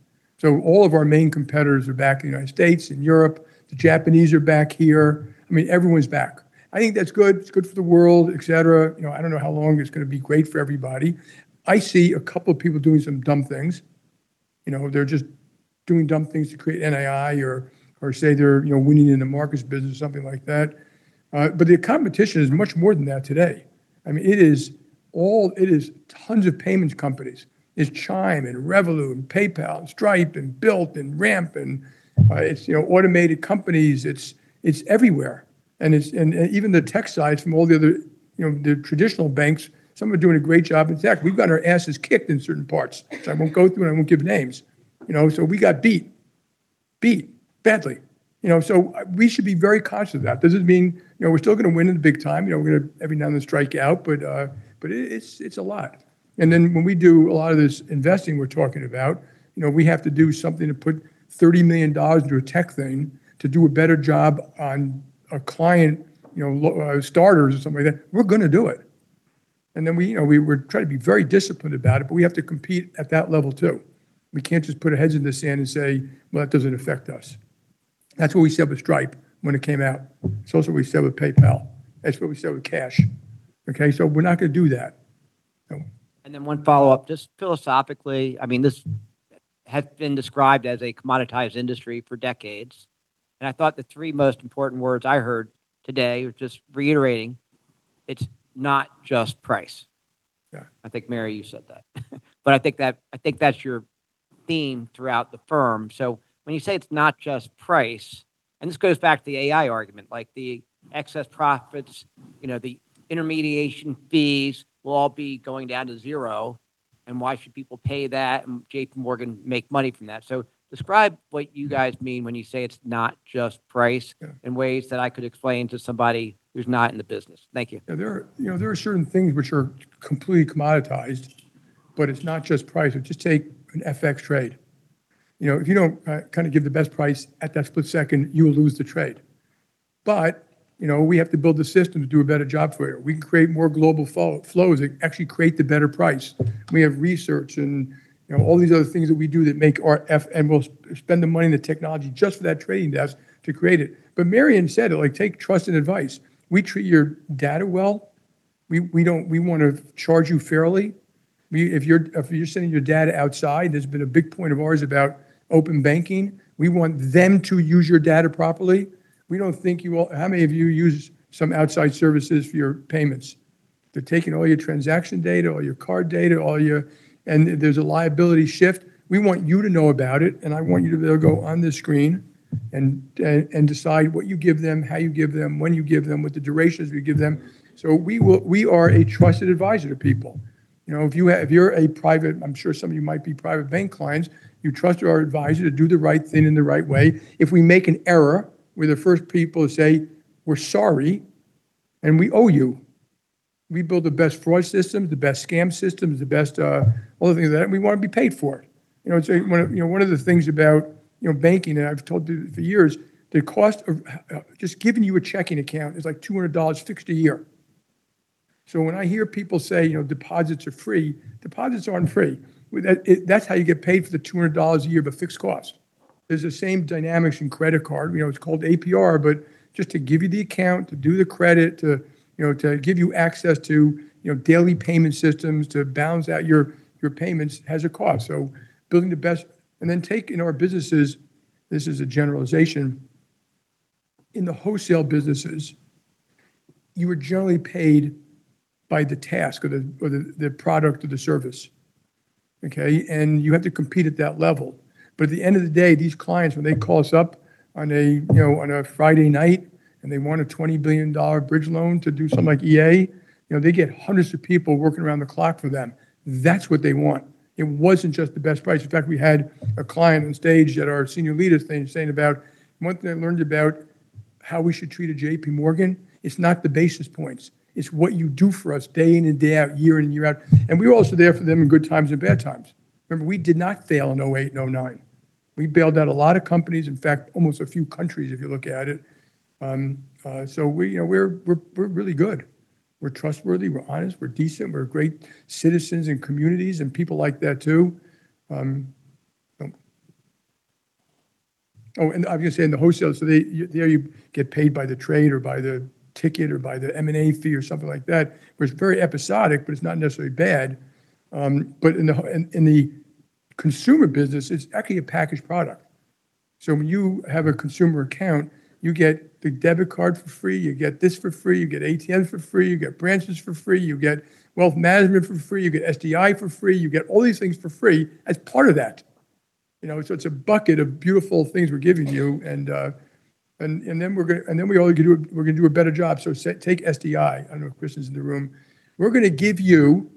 All of our main competitors are back in the United States and Europe. The Japanese are back here. I mean, everyone's back. I think that's good. It's good for the world, etc. You know, I don't know how long it's gonna be great for everybody. I see a couple of people doing some dumb things. You know, they're just doing dumb things to create NII or, or say they're, you know, winning in the markets business, something like that. The competition is much more than that today. I mean, it is tons of payments companies. It's Chime and Revolut and PayPal, Stripe and Built and Ramp and, it's, you know, automated companies. It's, it's everywhere. It's, and, and even the tech sides from all the other, you know, the traditional banks, some are doing a great job. In fact, we've got our asses kicked in certain parts, which I won't go through, and I won't give names. You know, we got beat. Beat badly. You know, so we should be very conscious of that. Does it mean, you know, we're still gonna win it big time. You know, we're gonna every now and then strike out, but, but it, it's, it's a lot. Then when we do a lot of this investing we're talking about, you know, we have to do something to put $30 million into a tech thing to do a better job on a client, you know, starters or something like that, we're gonna do it. Then we, you know, we, we try to be very disciplined about it, but we have to compete at that level, too. We can't just put our heads in the sand and say: Well, that doesn't affect us. That's what we said with Stripe when it came out. That's what we said with PayPal. That's what we said with Cash. Okay, we're not gonna do that. One follow-up, just philosophically, I mean, this has been described as a commoditized industry for decades, and I thought the three most important words I heard today, just reiterating- it's not just price. Yeah. I think, Mary, you said that. I think that, I think that's your theme throughout the firm. When you say it's not just price, and this goes back to the AI argument, like the excess profits, you know, the intermediation fees will all be going down to zero, and why should people pay that, and JPMorgan make money from that? Describe what you guys mean when you say it's not just price in ways that I could explain to somebody who's not in the business. Thank you. Yeah, there are, you know, there are certain things which are completely commoditized, but it's not just price. Just take an FX trade. You know, if you don't, kind of give the best price at that split second, you will lose the trade. You know, we have to build the system to do a better job for you. We can create more global flows that actually create the better price. We have research and, you know, all these other things that we do that make our F. And we'll spend the money and the technology just for that trading desk to create it. Marianne said it, like, take trust and advice. We treat your data well. We, we don't-- we want to charge you fairly. We, if you're, if you're sending your data outside, there's been a big point of ours about open banking. We want them to use your data properly. We don't think you will-- How many of you use some outside services for your payments? They're taking all your transaction data, all your card data, all your. There's a liability shift. We want you to know about it, and I want you to be able to go on the screen and decide what you give them, how you give them, when you give them, what the durations we give them. We are a trusted advisor to people. You know, if you have, if you're a private, I'm sure some of you might be private bank clients, you trust our advisor to do the right thing in the right way. If we make an error, we're the first people to say, "We're sorry, and we owe you." We build the best fraud systems, the best scam systems, the best, all the things that, and we want to be paid for it. You know, one of, you know, one of the things about, you know, banking, and I've told you for years, the cost of, just giving you a checking account is, like, $200 fixed a year. When I hear people say, you know, deposits are free, deposits aren't free. Well, that, it, that's how you get paid for the $200 a year of a fixed cost. There's the same dynamics in credit card. You know, it's called APR, but just to give you the account, to do the credit, to, you know, to give you access to, you know, daily payment systems, to balance out your, your payments, has a cost. Building the best. Then taking our businesses, this is a generalization, in the wholesale businesses, you are generally paid by the task or the, or the, the product or the service, okay? You have to compete at that level. At the end of the day, these clients, when they call us up on a, you know, on a Friday night, and they want a $20 billion bridge loan to do something like EA, you know, they get hundreds of people working around the clock for them. That's what they want. It wasn't just the best price. In fact, we had a client on stage at our senior leaders thing saying about, "One thing I learned about how we should treat a JPMorgan, it's not the basis points. It's what you do for us day in and day out, year in and year out." We're also there for them in good times and bad times. Remember, we did not fail in 2008 and 2009. We bailed out a lot of companies, in fact, almost a few countries, if you look at it. So we, you know, we're, we're, we're really good. We're trustworthy, we're honest, we're decent, we're great citizens in communities, and people like that, too. Obviously, in the wholesale, so they, you know, you get paid by the trade or by the ticket or by the M&A fee or something like that, which is very episodic, but it's not necessarily bad. In the consumer business, it's actually a packaged product. When you have a consumer account, you get the debit card for free, you get this for free, you get ATM for free, you get branches for free, you get wealth management for free, you get SDI for free, you get all these things for free as part of that. You know, it's a bucket of beautiful things we're giving you, and then we're gonna, and then we only can do, we're gonna do a better job. Take SDI. I know Chris is in the room. We're gonna give you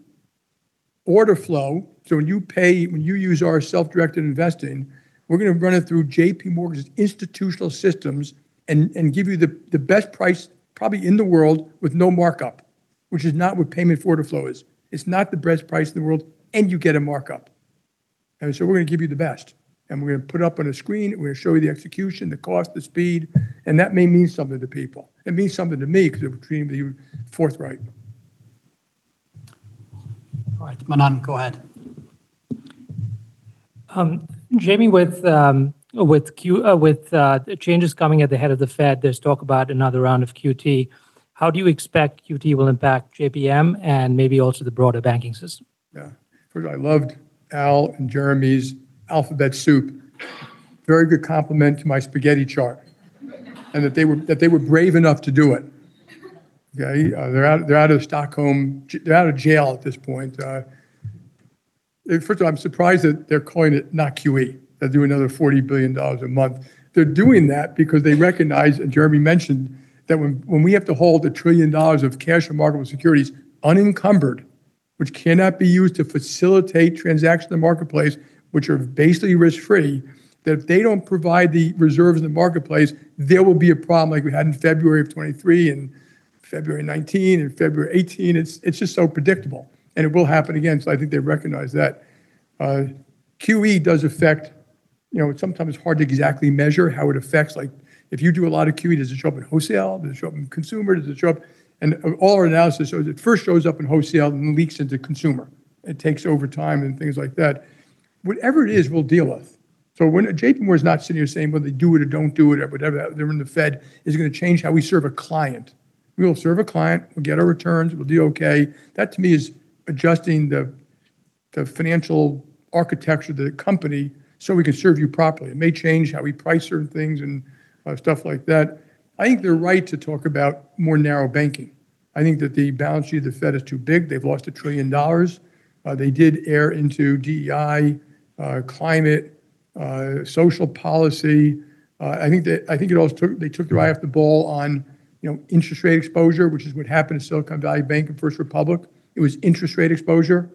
order flow, so when you pay, when you use our self-directed investing, we're gonna run it through JPMorgan's institutional systems and, and give you the, the best price, probably in the world, with no markup, which is not what payment order flow is. It's not the best price in the world, and you get a markup. So we're gonna give you the best, and we're gonna put it up on a screen, and we're gonna show you the execution, the cost, the speed, and that may mean something to people. It means something to me because it would seem to be forthright. All right, Manan, go ahead. Jamie, with changes coming at the head of the Fed, there's talk about another round of QT. How do you expect QT will impact JPM and maybe also the broader banking system? Yeah. First, I loved Al and Jeremy's alphabet soup. Very good compliment to my spaghetti chart, they were brave enough to do it. Okay, they're out of Stockholm, they're out of jail at this point. First of all, I'm surprised that they're calling it not QE. They'll do another $40 billion a month. They're doing that because they recognize, Jeremy mentioned, that when we have to hold $1 trillion of cash and marketable securities unencumbered, which cannot be used to facilitate transactions in the marketplace, which are basically risk-free, that if they don't provide the reserves in the marketplace, there will be a problem like we had in February 2023 and February 2019 and February 2018. It's just so predictable, it will happen again, I think they recognize that. QE does affect. You know, it's sometimes hard to exactly measure how it affects. Like, if you do a lot of QE, does it show up in wholesale? Does it show up in consumer? Does it show up. All our analysis shows it first shows up in wholesale, then leaks into consumer. It takes over time and things like that. Whatever it is, we'll deal with. When, JPMorgan is not sitting here saying whether they do it or don't do it or whatever, they're in the Fed, is gonna change how we serve a client. We will serve a client, we'll get our returns, we'll do okay. That, to me, is adjusting the financial architecture of the company, so we can serve you properly. It may change how we price certain things and stuff like that. I think they're right to talk about more narrow banking. I think that the balance sheet of the Fed is too big. They've lost $1 trillion. They did err into DEI, climate, social policy. I think that, I think it also took their eye off the ball on, you know, interest rate exposure, which is what happened at Silicon Valley Bank and First Republic. It was interest rate exposure,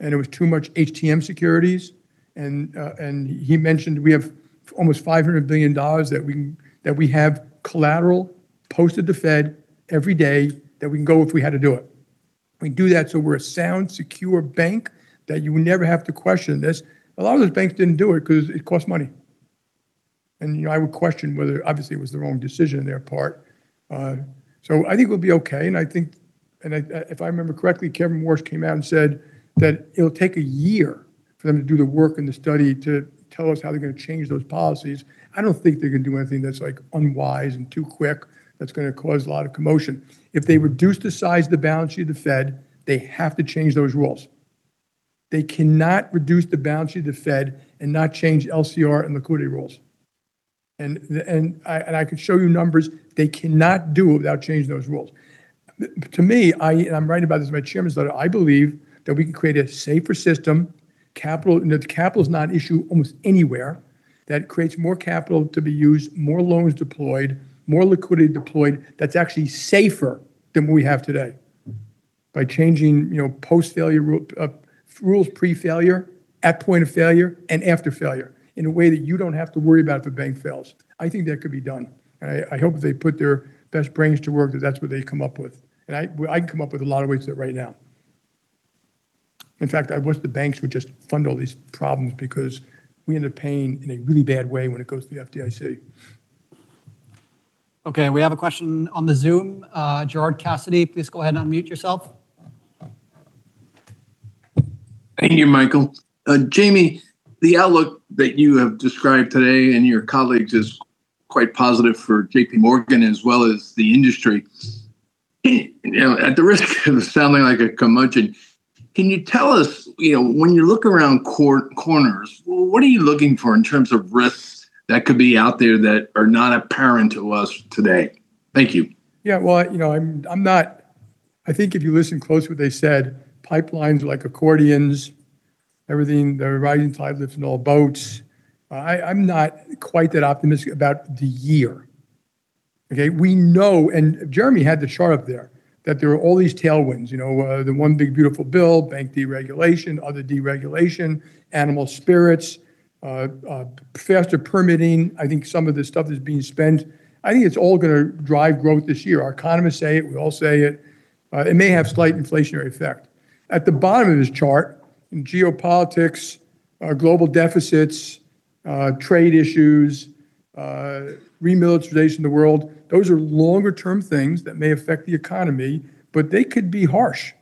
and it was too much HTM securities. He mentioned we have almost $500 billion that we, that we have collateral posted to the Fed every day, that we can go if we had to do it. We do that, so we're a sound, secure bank, that you will never have to question this. A lot of those banks didn't do it 'cause it costs money, and, you know, I would question whether obviously it was the wrong decision on their part. I think we'll be okay, and I, if I remember correctly, Kevin Warsh came out and said that it'll take a year for them to do the work and the study to tell us how they're gonna change those policies. I don't think they're gonna do anything that's, like, unwise and too quick, that's gonna cause a lot of commotion. If they reduce the size of the balance sheet of the Fed, they have to change those rules. They cannot reduce the balance sheet of the Fed and not change LCR and liquidity rules. I could show you numbers they cannot do without changing those rules. To me, I'm writing about this in my chairman's letter, I believe that we can create a safer system, capital, that the capital is not an issue almost anywhere, that creates more capital to be used, more loans deployed, more liquidity deployed, that's actually safer than what we have today. By changing, you know, post-failure rule, rules pre-failure, at point of failure, and after failure, in a way that you don't have to worry about if the bank fails. I think that could be done. I, I hope they put their best brains to work, that that's what they come up with. Well, I can come up with a lot of ways to do it right now. In fact, I wish the banks would just fund all these problems because we end up paying in a really bad way when it goes to the FDIC. Okay, we have a question on the Zoom. Gerard Cassidy, please go ahead and unmute yourself. Thank you, Mikael. Jamie, the outlook that you have described today and your colleagues is quite positive for JPMorgan as well as the industry. You know, at the risk of sounding like a curmudgeon, can you tell us, you know, when you look around corners, what are you looking for in terms of risks that could be out there that are not apparent to us today? Thank you. Yeah, well, you know, I'm not. I think if you listen closely what they said, pipelines are like accordions, everything, the rising tide lifts in all boats. I'm not quite that optimistic about the year. Okay, we know, and Jeremy had the chart up there, that there are all these tailwinds, you know, the one big beautiful bill, bank deregulation, other deregulation, animal spirits, faster permitting. I think some of this stuff is being spent. I think it's all gonna drive growth this year. Our economists say it, we all say it. It may have slight inflationary effect. At the bottom of this chart, in geopolitics, global deficits, trade issues, remilitarization of the world, those are longer term things that may affect the economy, but they could be harsh.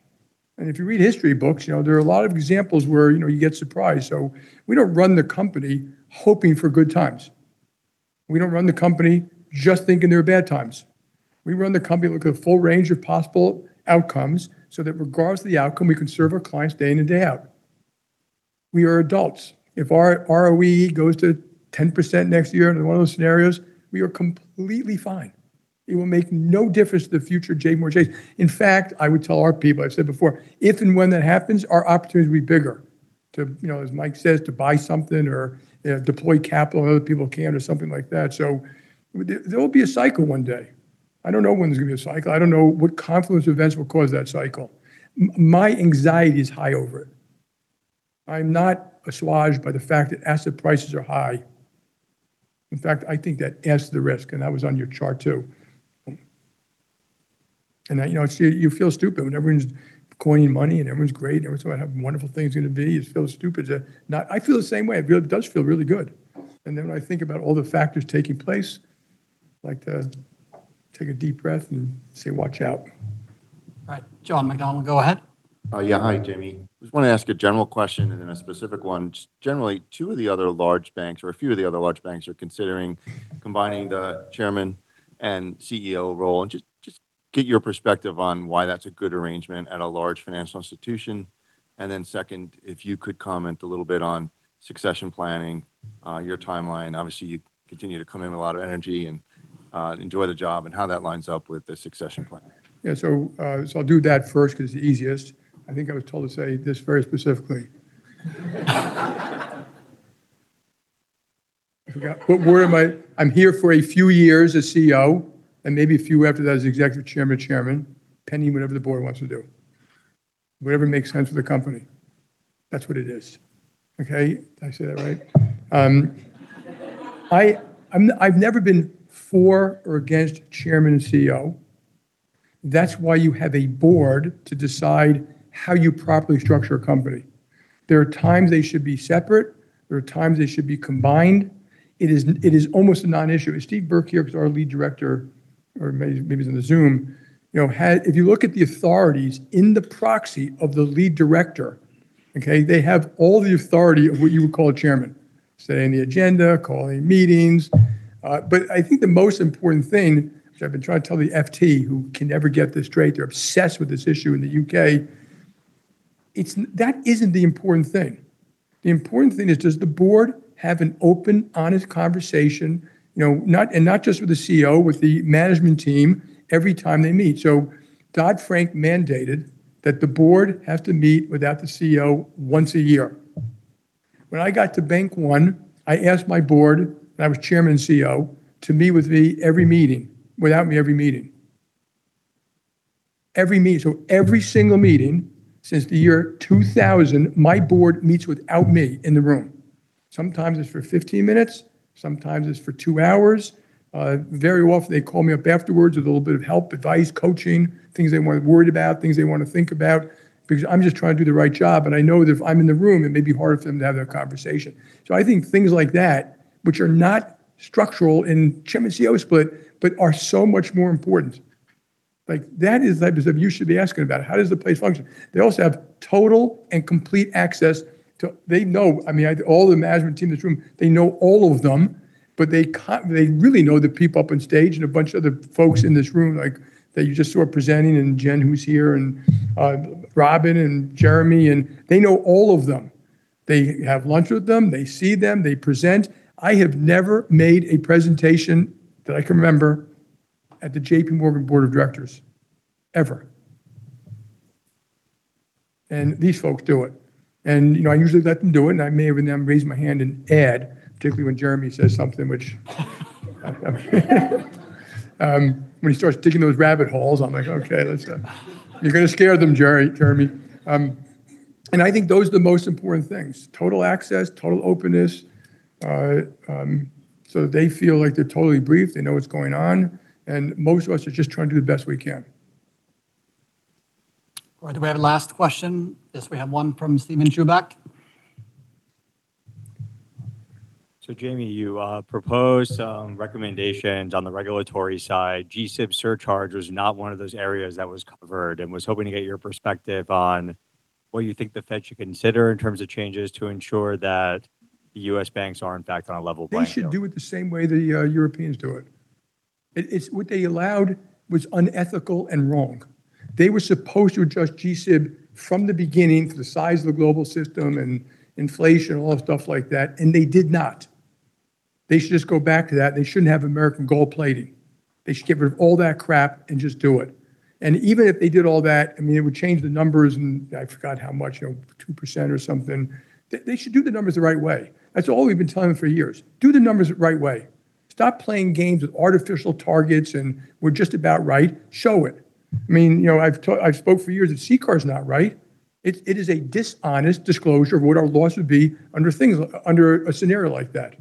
If you read history books, you know, there are a lot of examples where, you know, you get surprised. We don't run the company hoping for good times. We don't run the company just thinking there are bad times. We run the company with a full range of possible outcomes, so that regardless of the outcome, we can serve our clients day in and day out. We are adults. If our ROE goes to 10% next year under one of the scenarios, we are completely fine. It will make no difference to the future of JPMorgan Chase. In fact, I would tell our people, I've said before, if and when that happens, our opportunity will be bigger. To, you know, as Mike says, to buy something or deploy capital other people can't, or something like that. There, there will be a cycle one day. I don't know when there's gonna be a cycle. I don't know what confluence of events will cause that cycle. My anxiety is high over it. I'm not assuaged by the fact that asset prices are high. In fact, I think that adds to the risk, and that was on your chart, too. You know, you, you feel stupid when everyone's coining money, and everyone's great, and everyone's talking about what wonderful thing it's gonna be. You feel stupid that I feel the same way. It really does feel really good. Then, when I think about all the factors taking place, I'd like to take a deep breath and say: Watch out. All right, John McDonald, go ahead. Hi, Jamie. Just wanna ask a general question and then a specific one. Generally, two of the other large banks or a few of the other large banks are considering combining the chairman and CEO role, just get your perspective on why that's a good arrangement at a large financial institution. Then second, if you could comment a little bit on succession planning, your timeline. Obviously, you continue to come in with a lot of energy and enjoy the job, and how that lines up with the succession plan. I'll do that first 'cause it's the easiest. I think I was told to say this very specifically. I forgot, what word am I? I'm here for a few years as CEO. Maybe a few after that as executive chairman or chairman, pending whatever the board wants to do. Whatever makes sense for the company, that's what it is. Okay? Did I say that right? I'm, I've never been for or against chairman and CEO. That's why you have a board to decide how you properly structure a company. There are times they should be separate, there are times they should be combined. It is almost a non-issue. Is Steve Burke here, who's our lead director, or maybe he's in the Zoom. You know, if you look at the authorities in the proxy of the lead director, okay, they have all the authority of what you would call a chairman. setting the agenda, calling meetings. I think the most important thing, which I've been trying to tell the Financial Times, who can never get this straight, they're obsessed with this issue in the U.K., it's that isn't the important thing. The important thing is, does the board have an open, honest conversation? You know, not, and not just with the CEO, with the management team, every time they meet. Dodd-Frank mandated that the board have to meet without the CEO once a year. When I got to Bank One, I asked my board, and I was chairman and CEO, to meet with me every meeting, without me every meeting. Every meet, so every single meeting since the year 2000, my board meets without me in the room. Sometimes it's for 15 minutes, sometimes it's for two hours. Very often, they call me up afterwards with a little bit of help, advice, coaching, things they might be worried about, things they want to think about. Because I'm just trying to do the right job, and I know that if I'm in the room, it may be harder for them to have that conversation. I think things like that, which are not structural in chairman and CEO split, but are so much more important. Like, that is the type of stuff you should be asking about. How does the place function? They also have total and complete access to. They know, I mean, all the management team in this room, they know all of them, but they really know the people up on stage and a bunch of the folks in this room, like, that you just saw presenting, and Jen, who's here, and Robin and Jeremy, and they know all of them. They have lunch with them. They see them. They present. I have never made a presentation, that I can remember, at the JPMorgan board of directors, ever. These folks do it. You know, I usually let them do it, and I may every now and then raise my hand and add, particularly when Jeremy says something which, when he starts digging those rabbit holes, I'm like, "Okay, let's, you're gonna scare them, Jeremy, Jeremy." I think those are the most important things: total access, total openness. They feel like they're totally briefed, they know what's going on, and most of us are just trying to do the best we can. All right, do we have a last question? Yes, we have one from Steven Chubak. Jamie, you proposed some recommendations on the regulatory side. GSIB surcharge was not one of those areas that was covered, and was hoping to get your perspective on what you think the Fed should consider in terms of changes to ensure that U.S. banks are in fact on a level playing field. They should do it the same way the Europeans do it. It, it's, what they allowed was unethical and wrong. They were supposed to adjust GSIB from the beginning to the size of the global system and inflation, all that stuff like that, and they did not. They should just go back to that. They shouldn't have American gold plating. They should get rid of all that crap and just do it. Even if they did all that, I mean, it would change the numbers, and I forgot how much, you know, 2% or something. They, they should do the numbers the right way. That's all we've been telling them for years. Do the numbers the right way. Stop playing games with artificial targets, and we're just about right. Show it! I mean, you know, I've spoke for years that CCAR's not right. It is a dishonest disclosure of what our loss would be under things, under a scenario like that.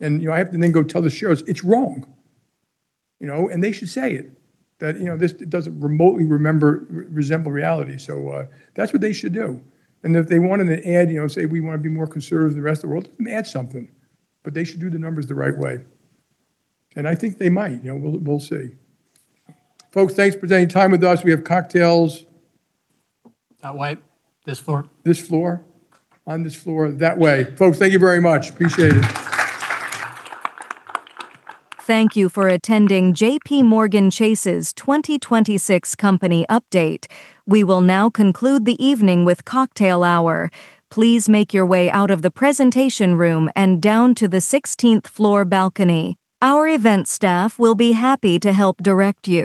You know, I have to then go tell the shareholders, "It's wrong," you know? They should say it, that, you know, this doesn't remotely resemble reality. That's what they should do. If they wanted to add, you know, say, we want to be more conservative than the rest of the world, they can add something, but they should do the numbers the right way. I think they might, you know, we'll see. Folks, thanks for spending time with us. We have cocktails. That way? This floor. This floor. On this floor, that way. Folks, thank you very much. Appreciate it. Thank you for attending JPMorgan Chase's 2026 company update. We will now conclude the evening with cocktail hour. Please make your way out of the presentation room and down to the 16th-floor balcony. Our event staff will be happy to help direct you.